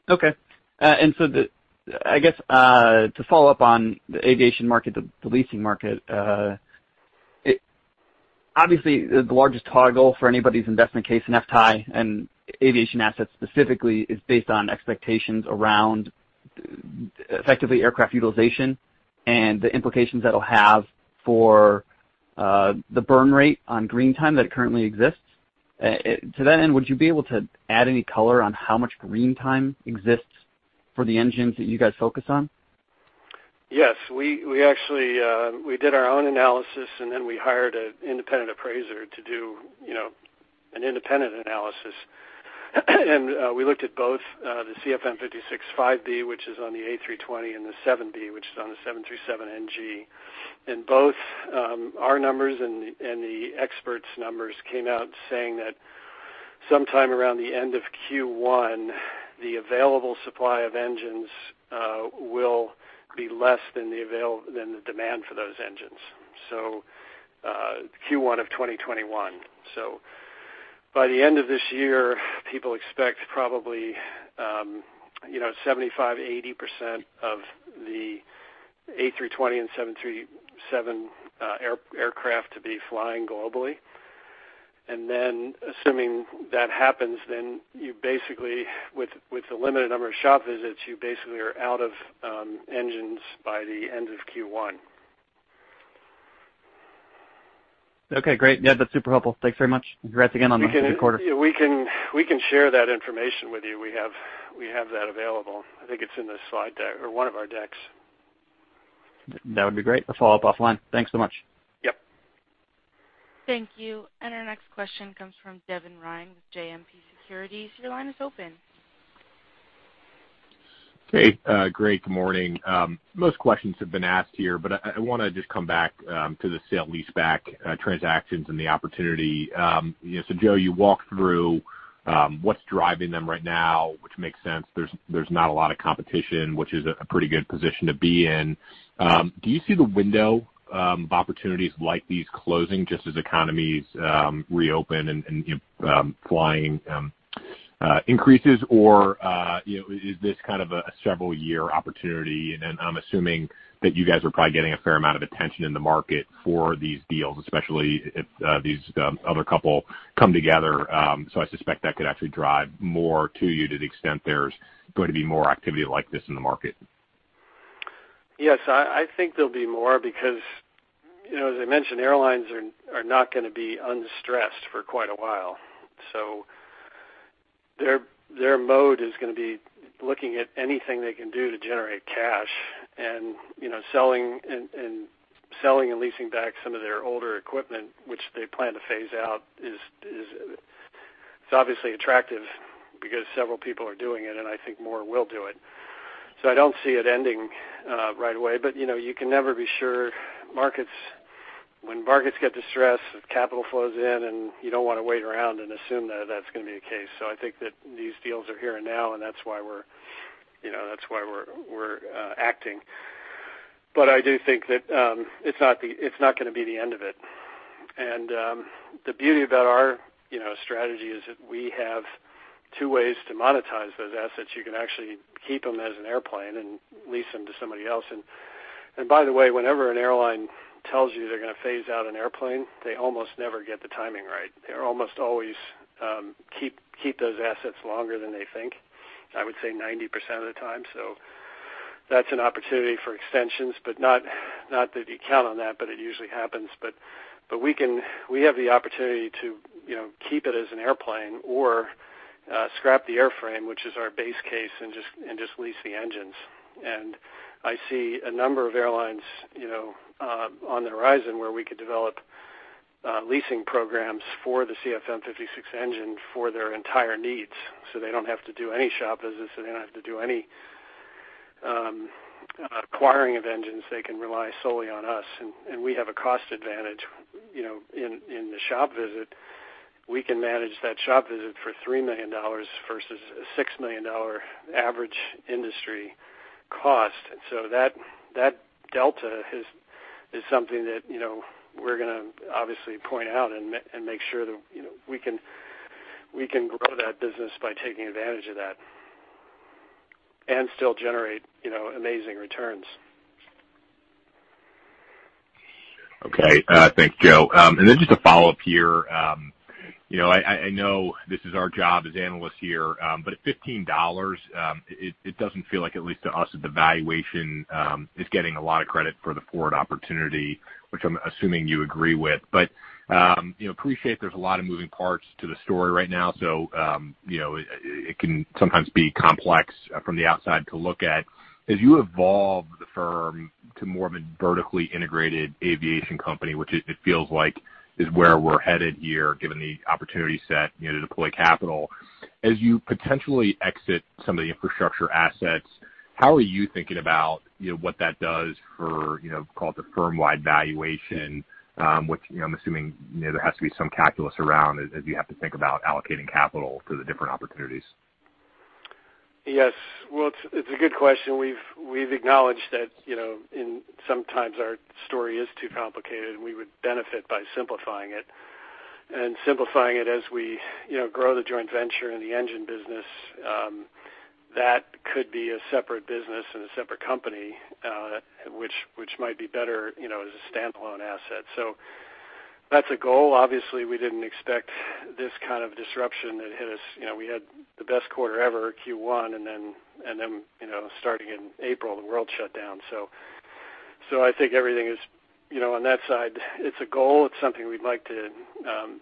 Okay. And so I guess to follow up on the aviation market, the leasing market, obviously, the largest toggle for anybody's investment case, and FTAI and aviation assets specifically, is based on expectations around effectively aircraft utilization and the implications that it'll have for the burn rate on green time that currently exists. To that end, would you be able to add any color on how much green time exists for the engines that you guys focus on? Yes. We did our own analysis, and then we hired an independent appraiser to do an independent analysis. And we looked at both the CFM56-5B, which is on the A320, and the CFM56-7B, which is on the 737NG. And both our numbers and the experts' numbers came out saying that sometime around the end of Q1, the available supply of engines will be less than the demand for those engines. So Q1 of 2021. So by the end of this year, people expect probably 75%-80% of the A320 and 737 aircraft to be flying globally. And then assuming that happens, then you basically, with the limited number of shop visits, you basically are out of engines by the end of Q1. Okay. Great. Yeah, that's super helpful. Thanks very much. Congrats again on the quarter. We can share that information with you. We have that available. I think it's in the slide deck or one of our decks. That would be great. I'll follow up offline. Thanks so much. Yep. Thank you. And our next question comes from Devin Ryan with JMP Securities. Your line is open. Hey. Great. Good morning. Most questions have been asked here, but I want to just come back to the sale-leaseback transactions and the opportunity. So Joe, you walked through what's driving them right now, which makes sense. There's not a lot of competition, which is a pretty good position to be in. Do you see the window of opportunities like these closing just as economies reopen and flying increases, or is this kind of a several-year opportunity? And I'm assuming that you guys are probably getting a fair amount of attention in the market for these deals, especially if these other couple come together. So I suspect that could actually drive more to you to the extent there's going to be more activity like this in the market. Yes. I think there'll be more because, as I mentioned, airlines are not going to be unstressed for quite a while. So their mode is going to be looking at anything they can do to generate cash. And selling and leasing back some of their older equipment, which they plan to phase out, is obviously attractive because several people are doing it, and I think more will do it. So I don't see it ending right away. But you can never be sure. When markets get distressed, capital flows in, and you don't want to wait around and assume that that's going to be the case. So I think that these deals are here and now, and that's why we're acting. But I do think that it's not going to be the end of it. The beauty about our strategy is that we have two ways to monetize those assets. You can actually keep them as an airplane and lease them to somebody else. By the way, whenever an airline tells you they're going to phase out an airplane, they almost never get the timing right. They almost always keep those assets longer than they think, I would say 90% of the time. That's an opportunity for extensions, but not that you count on that, but it usually happens. We have the opportunity to keep it as an airplane or scrap the airframe, which is our base case, and just lease the engines. I see a number of airlines on the horizon where we could develop leasing programs for the CFM56 engine for their entire needs. They don't have to do any shop visits. They don't have to do any acquiring of engines. They can rely solely on us. And we have a cost advantage in the shop visit. We can manage that shop visit for $3 million versus a $6 million average industry cost. So that delta is something that we're going to obviously point out and make sure that we can grow that business by taking advantage of that and still generate amazing returns. Okay. Thanks, Joe. And then just a follow-up here. I know this is our job as analysts here, but at $15, it doesn't feel like, at least to us, that the valuation is getting a lot of credit for the forward opportunity, which I'm assuming you agree with. But I appreciate there's a lot of moving parts to the story right now, so it can sometimes be complex from the outside to look at. As you evolve the firm to more of a vertically integrated aviation company, which it feels like is where we're headed here given the opportunity set to deploy capital, as you potentially exit some of the infrastructure assets, how are you thinking about what that does for, call it the firm-wide valuation, which I'm assuming there has to be some calculus around as you have to think about allocating capital to the different opportunities? Yes, well, it's a good question. We've acknowledged that sometimes our story is too complicated, and we would benefit by simplifying it as we grow the joint venture and the engine business, that could be a separate business and a separate company, which might be better as a standalone asset. So that's a goal. Obviously, we didn't expect this kind of disruption that hit us. We had the best quarter ever, Q1, and then starting in April, the world shut down. So I think everything is on that side. It's a goal. It's something we'd like to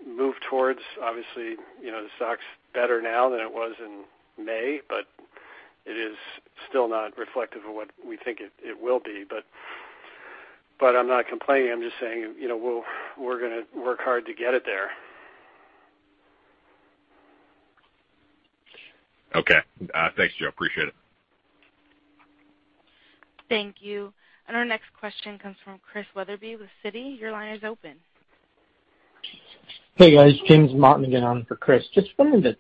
move towards. Obviously, the stock's better now than it was in May, but it is still not reflective of what we think it will be. But I'm not complaining. I'm just saying we're going to work hard to get it there. Okay. Thanks, Joe. Appreciate it. Thank you. And our next question comes from Chris Wetherbee with Citi. Your line is open. Hey, guys. James Martin again for Chris. Just wanted to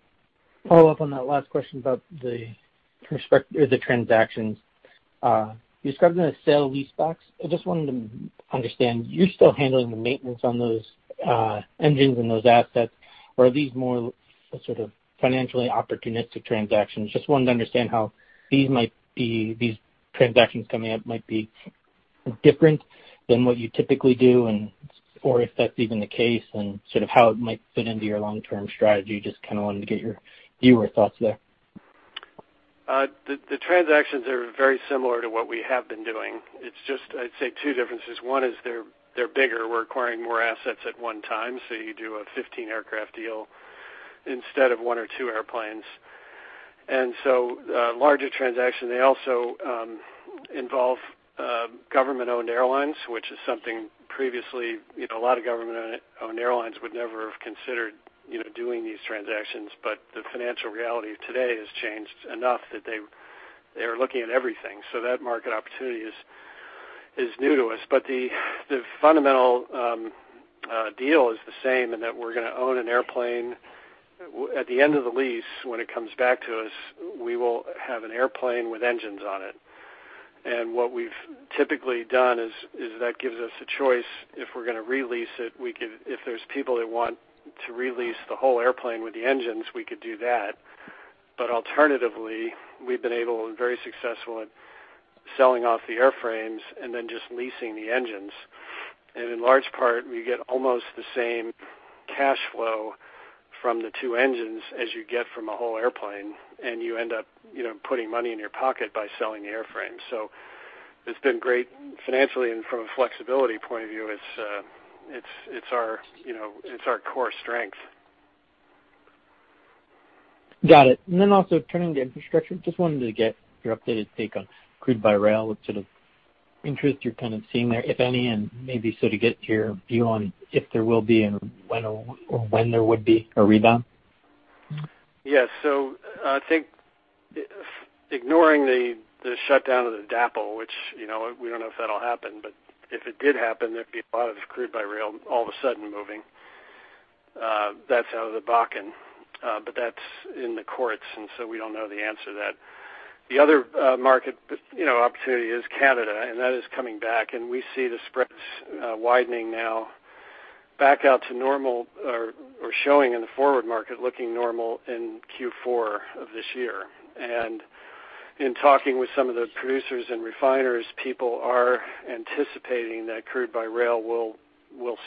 follow up on that last question about the transactions. You described them as sale-leasebacks. I just wanted to understand. You're still handling the maintenance on those engines and those assets, or are these more sort of financially opportunistic transactions? Just wanted to understand how these transactions coming up might be different than what you typically do, or if that's even the case, and sort of how it might fit into your long-term strategy. Just kind of wanted to get your view or thoughts there. The transactions are very similar to what we have been doing. It's just, I'd say, two differences. One is they're bigger. We're acquiring more assets at one time. So you do a 15-aircraft deal instead of one or two airplanes, and so larger transactions. They also involve government-owned airlines, which is something previously a lot of government-owned airlines would never have considered doing these transactions. But the financial reality today has changed enough that they are looking at everything. So that market opportunity is new to us, but the fundamental deal is the same in that we're going to own an airplane. At the end of the lease, when it comes back to us, we will have an airplane with engines on it. And what we've typically done is that gives us a choice. If we're going to re-lease it, if there's people that want to re-lease the whole airplane with the engines, we could do that. But alternatively, we've been very successful at selling off the airframes and then just leasing the engines. And in large part, we get almost the same cash flow from the two engines as you get from a whole airplane, and you end up putting money in your pocket by selling the airframe. So it's been great financially, and from a flexibility point of view, it's our core strength. Got it. Got it. And then also turning to infrastructure, just wanted to get your updated take on crude by rail, what sort of interest you're kind of seeing there, if any, and maybe sort of get your view on if there will be and when there would be a rebound. Yes. So I think ignoring the shutdown of the DAPL, which we don't know if that'll happen, but if it did happen, there'd be a lot of crude by rail all of a sudden moving. That's out of the Bakken. But that's in the courts, and so we don't know the answer to that. The other market opportunity is Canada, and that is coming back. And we see the spreads widening now back out to normal or showing in the forward market looking normal in Q4 of this year. In talking with some of the producers and refiners, people are anticipating that crude by rail will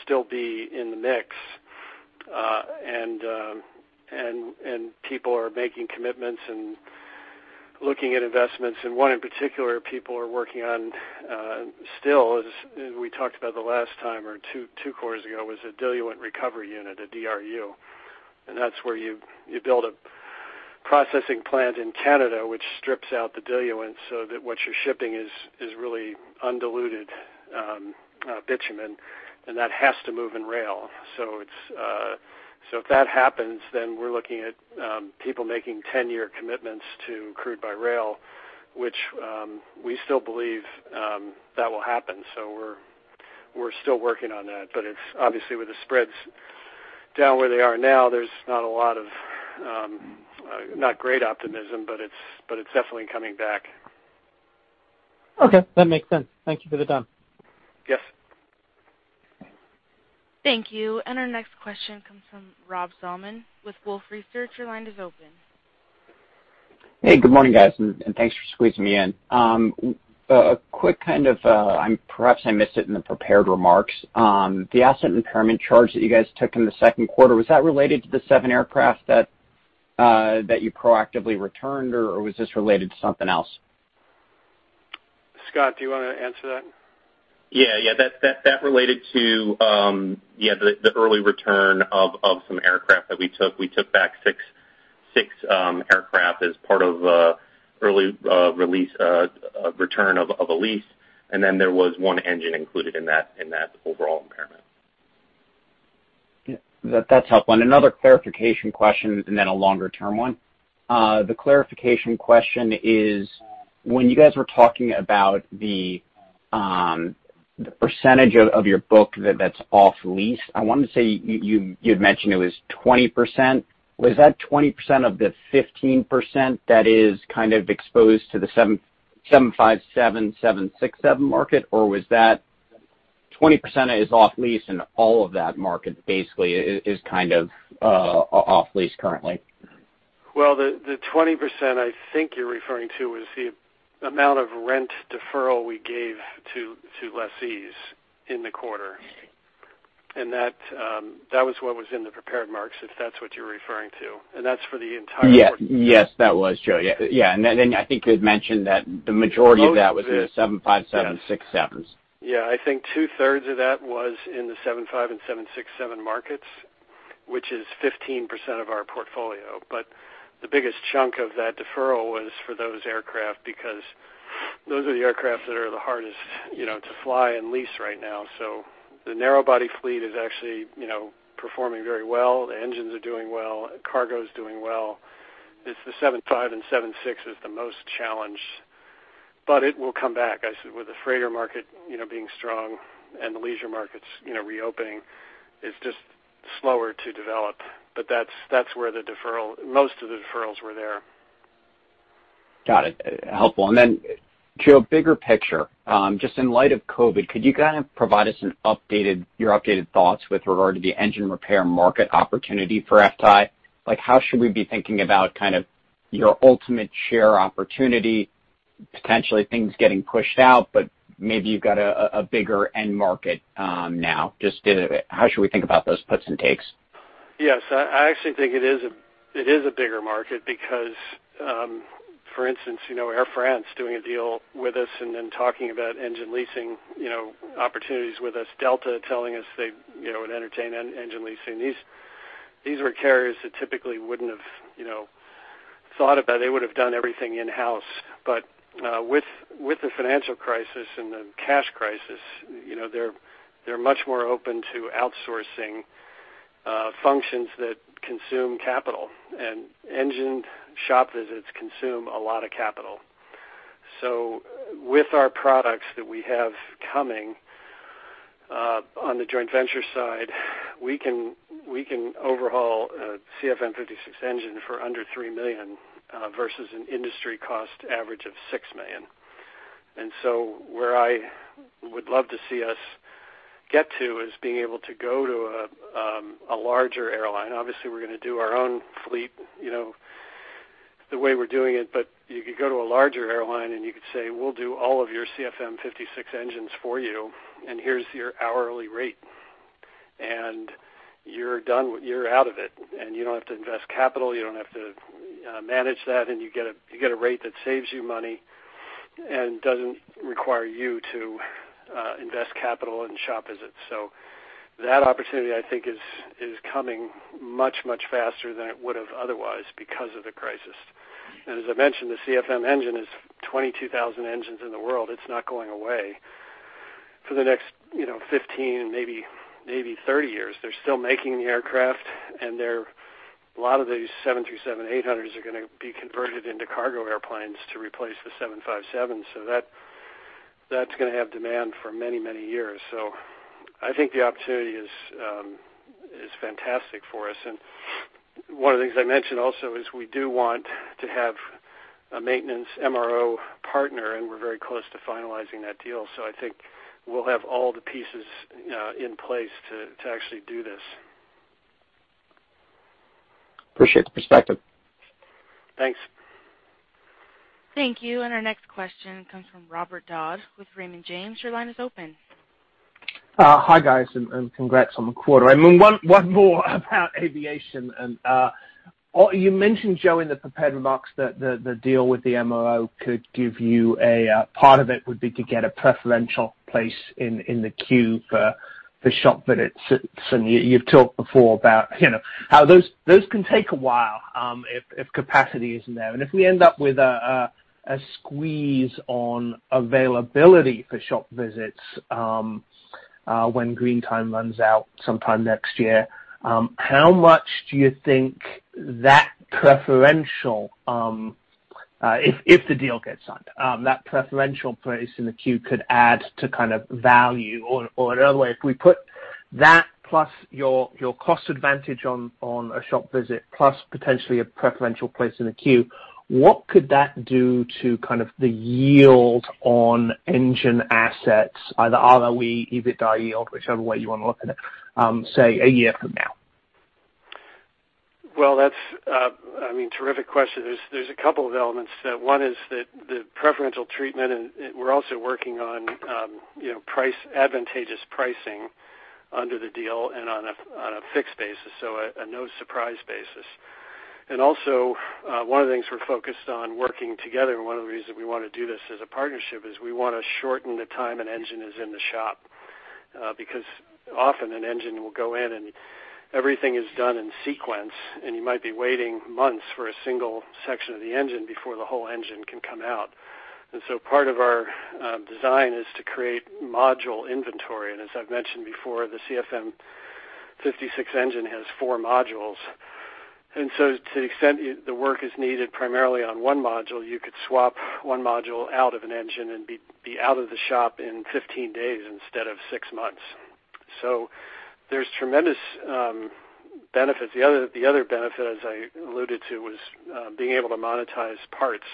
still be in the mix. People are making commitments and looking at investments. One in particular people are working on still, as we talked about the last time or two quarters ago, was a diluent recovery unit, a DRU. That's where you build a processing plant in Canada, which strips out the diluents so that what you're shipping is really undiluted bitumen, and that has to move by rail. If that happens, then we're looking at people making 10-year commitments to crude by rail, which we still believe that will happen. We're still working on that. But obviously, with the spreads down where they are now, there's not a lot of not great optimism, but it's definitely coming back. Okay. That makes sense. Thank you for the time. Yes. Thank you. And our next question comes from Rob Salmon with Wolfe Research. Your line is open. Hey. Good morning, guys. And thanks for squeezing me in. A quick kind of perhaps I missed it in the prepared remarks. The asset impairment charge that you guys took in the Q2, was that related to the seven aircraft that you proactively returned, or was this related to something else? Scott, do you want to answer that? Yeah. Yeah. That related to, yeah, the early return of some aircraft that we took. We took back six aircraft as part of the early release return of a lease. And then there was one engine included in that overall impairment. That's helpful. And another clarification question and then a longer-term one. The clarification question is, when you guys were talking about the percentage of your book that's off-lease, I wanted to say you had mentioned it was 20%. Was that 20% of the 15% that is kind of exposed to the 757, 767 market, or was that 20% is off-lease, and all of that market basically is kind of off-lease currently? The 20% I think you're referring to is the amount of rent deferral we gave to lessees in the quarter. And that was what was in the prepared remarks, if that's what you're referring to. And that's for the entire quarter. Yes. Yes, that was, Joe. Yeah. And then I think you had mentioned that the majority of that was in the 757, 767s. Yeah. I think two-thirds of that was in the 757 and 767 markets, which is 15% of our portfolio. But the biggest chunk of that deferral was for those aircraft because those are the aircraft that are the hardest to fly and lease right now. So the narrow-body fleet is actually performing very well. The engines are doing well. Cargo is doing well. It's the 757 and 767s that are the most challenged. But it will come back. With the freighter market being strong and the leisure markets reopening, it's just slower to develop. But that's where the deferral most of the deferrals were there. Got it. Helpful. And then, Joe, bigger picture. Just in light of COVID, could you kind of provide us your updated thoughts with regard to the engine repair market opportunity for FTAI? How should we be thinking about kind of your ultimate share opportunity, potentially things getting pushed out, but maybe you've got a bigger end market now? Just how should we think about those puts and takes? Yes. I actually think it is a bigger market because, for instance, Air France doing a deal with us and then talking about engine leasing opportunities with us, Delta telling us they would entertain engine leasing. These were carriers that typically wouldn't have thought about it. They would have done everything in-house. But with the financial crisis and the cash crisis, they're much more open to outsourcing functions that consume capital. And engine shop visits consume a lot of capital. So with our products that we have coming on the joint venture side, we can overhaul a CFM56 engine for under $3 million versus an industry cost average of $6 million. And so where I would love to see us get to is being able to go to a larger airline. Obviously, we're going to do our own fleet the way we're doing it, but you could go to a larger airline and you could say, "We'll do all of your CFM56 engines for you, and here's your hourly rate. And you're out of it. And you don't have to invest capital. You don't have to manage that. And you get a rate that saves you money and doesn't require you to invest capital in shop visits." So that opportunity, I think, is coming much, much faster than it would have otherwise because of the crisis. And as I mentioned, the CFM56 engine is 22,000 engines in the world. It's not going away for the next 15, maybe 30 years. They're still making the aircraft, and a lot of those 737-800s are going to be converted into cargo airplanes to replace the 757s. So that's going to have demand for many, many years. So I think the opportunity is fantastic for us. And one of the things I mentioned also is we do want to have a maintenance MRO partner, and we're very close to finalizing that deal. So I think we'll have all the pieces in place to actually do this. Appreciate the perspective. Thanks. Thank you. And our next question comes from Robert Dodd with Raymond James. Your line is open. Hi, guys. And congrats on the quarter. I mean, one more about aviation. And you mentioned, Joe, in the prepared remarks that the deal with the MRO could give you a part of it would be to get a preferential place in the queue for shop visits. And you've talked before about how those can take a while if capacity isn't there. If we end up with a squeeze on availability for shop visits when green time runs out sometime next year, how much do you think that preferential, if the deal gets signed, that preferential place in the queue could add to kind of value? Or in other words, if we put that plus your cost advantage on a shop visit plus potentially a preferential place in the queue, what could that do to kind of the yield on engine assets, either ROE, EBITDA yield, whichever way you want to look at it, say, a year from now? That's, I mean, terrific question. There's a couple of elements. One is that the preferential treatment, and we're also working on advantageous pricing under the deal and on a fixed basis, so a no-surprise basis. And also, one of the things we're focused on working together, and one of the reasons we want to do this as a partnership, is we want to shorten the time an engine is in the shop because often an engine will go in and everything is done in sequence, and you might be waiting months for a single section of the engine before the whole engine can come out. And so part of our design is to create module inventory. And as I've mentioned before, the CFM56 engine has four modules. And so to the extent the work is needed primarily on one module, you could swap one module out of an engine and be out of the shop in 15 days instead of six months. So there's tremendous benefits. The other benefit, as I alluded to, was being able to monetize parts.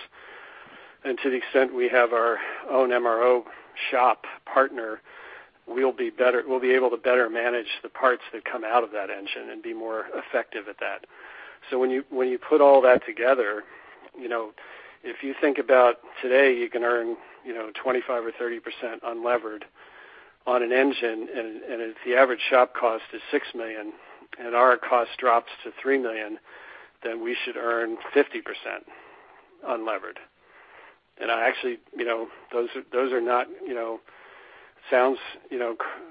To the extent we have our own MRO shop partner, we'll be able to better manage the parts that come out of that engine and be more effective at that. When you put all that together, if you think about today, you can earn 25% or 30% unlevered on an engine, and if the average shop cost is $6 million and our cost drops to $3 million, then we should earn 50% unlevered. Actually, those don't sound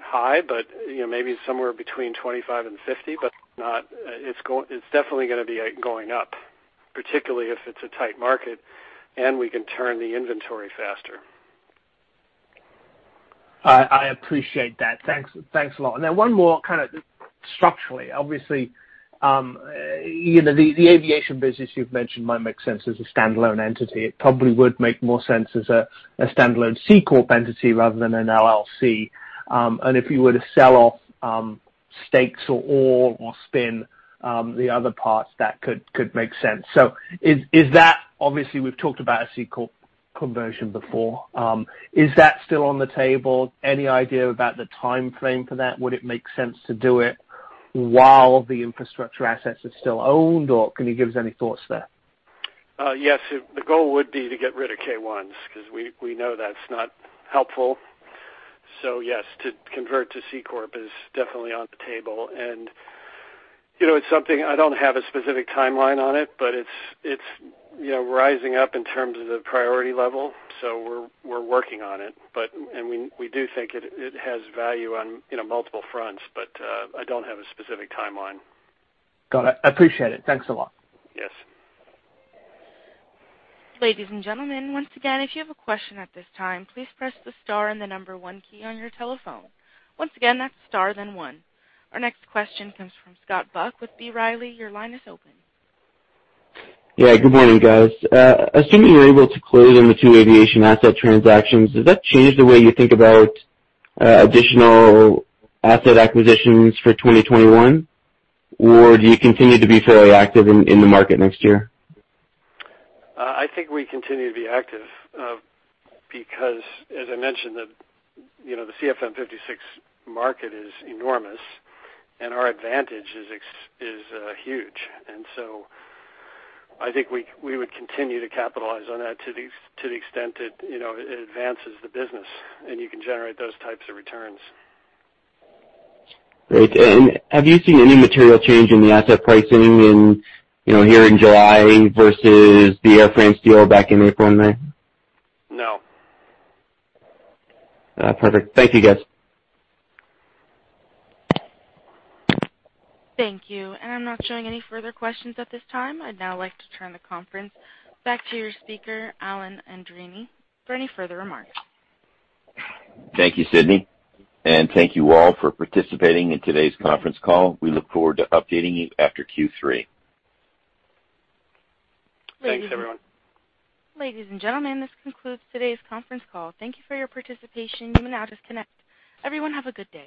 high, but maybe somewhere between 25%-50%, but it's definitely going to be going up, particularly if it's a tight market and we can turn the inventory faster. I appreciate that. Thanks a lot. Then one more kind of structurally. Obviously, the aviation business you've mentioned might make sense as a standalone entity. It probably would make more sense as a standalone C-Corp entity rather than an LLC, and if you were to sell off stakes or spin the other parts, that could make sense, so obviously, we've talked about a C-Corp conversion before. Is that still on the table? Any idea about the timeframe for that? Would it make sense to do it while the infrastructure assets are still owned, or can you give us any thoughts there? Yes. The goal would be to get rid of K-1s because we know that's not helpful, so yes, to convert to C-Corp is definitely on the table, and it's something I don't have a specific timeline on it, but it's rising up in terms of the priority level, so we're working on it, and we do think it has value on multiple fronts, but I don't have a specific timeline. Got it. I appreciate it. Thanks a lot. Yes. Ladies and gentlemen, once again, if you have a question at this time, please press the star and the number one key on your telephone. Once again, that's star, then one. Our next question comes from Scott Buck with B. Riley Securities. Your line is open. Yeah. Good morning, guys. Assuming you're able to close on the two aviation asset transactions, does that change the way you think about additional asset acquisitions for 2021, or do you continue to be fairly active in the market next year? I think we continue to be active because, as I mentioned, the CFM56 market is enormous, and our advantage is huge. And so I think we would continue to capitalize on that to the extent it advances the business and you can generate those types of returns. Great. And have you seen any material change in the asset pricing here in July versus the Air France deal back in April and May? No. Perfect. Thank you, guys. Thank you. And I'm not showing any further questions at this time. I'd now like to turn the conference back to your speaker, Alan Andreini, for any further remarks. Thank you, Sydney. And thank you all for participating in today's conference call. We look forward to updating you after Q3. Thanks, everyone. Ladies and gentlemen, this concludes today's conference call. Thank you for your participation. You may now disconnect. Everyone, have a good day.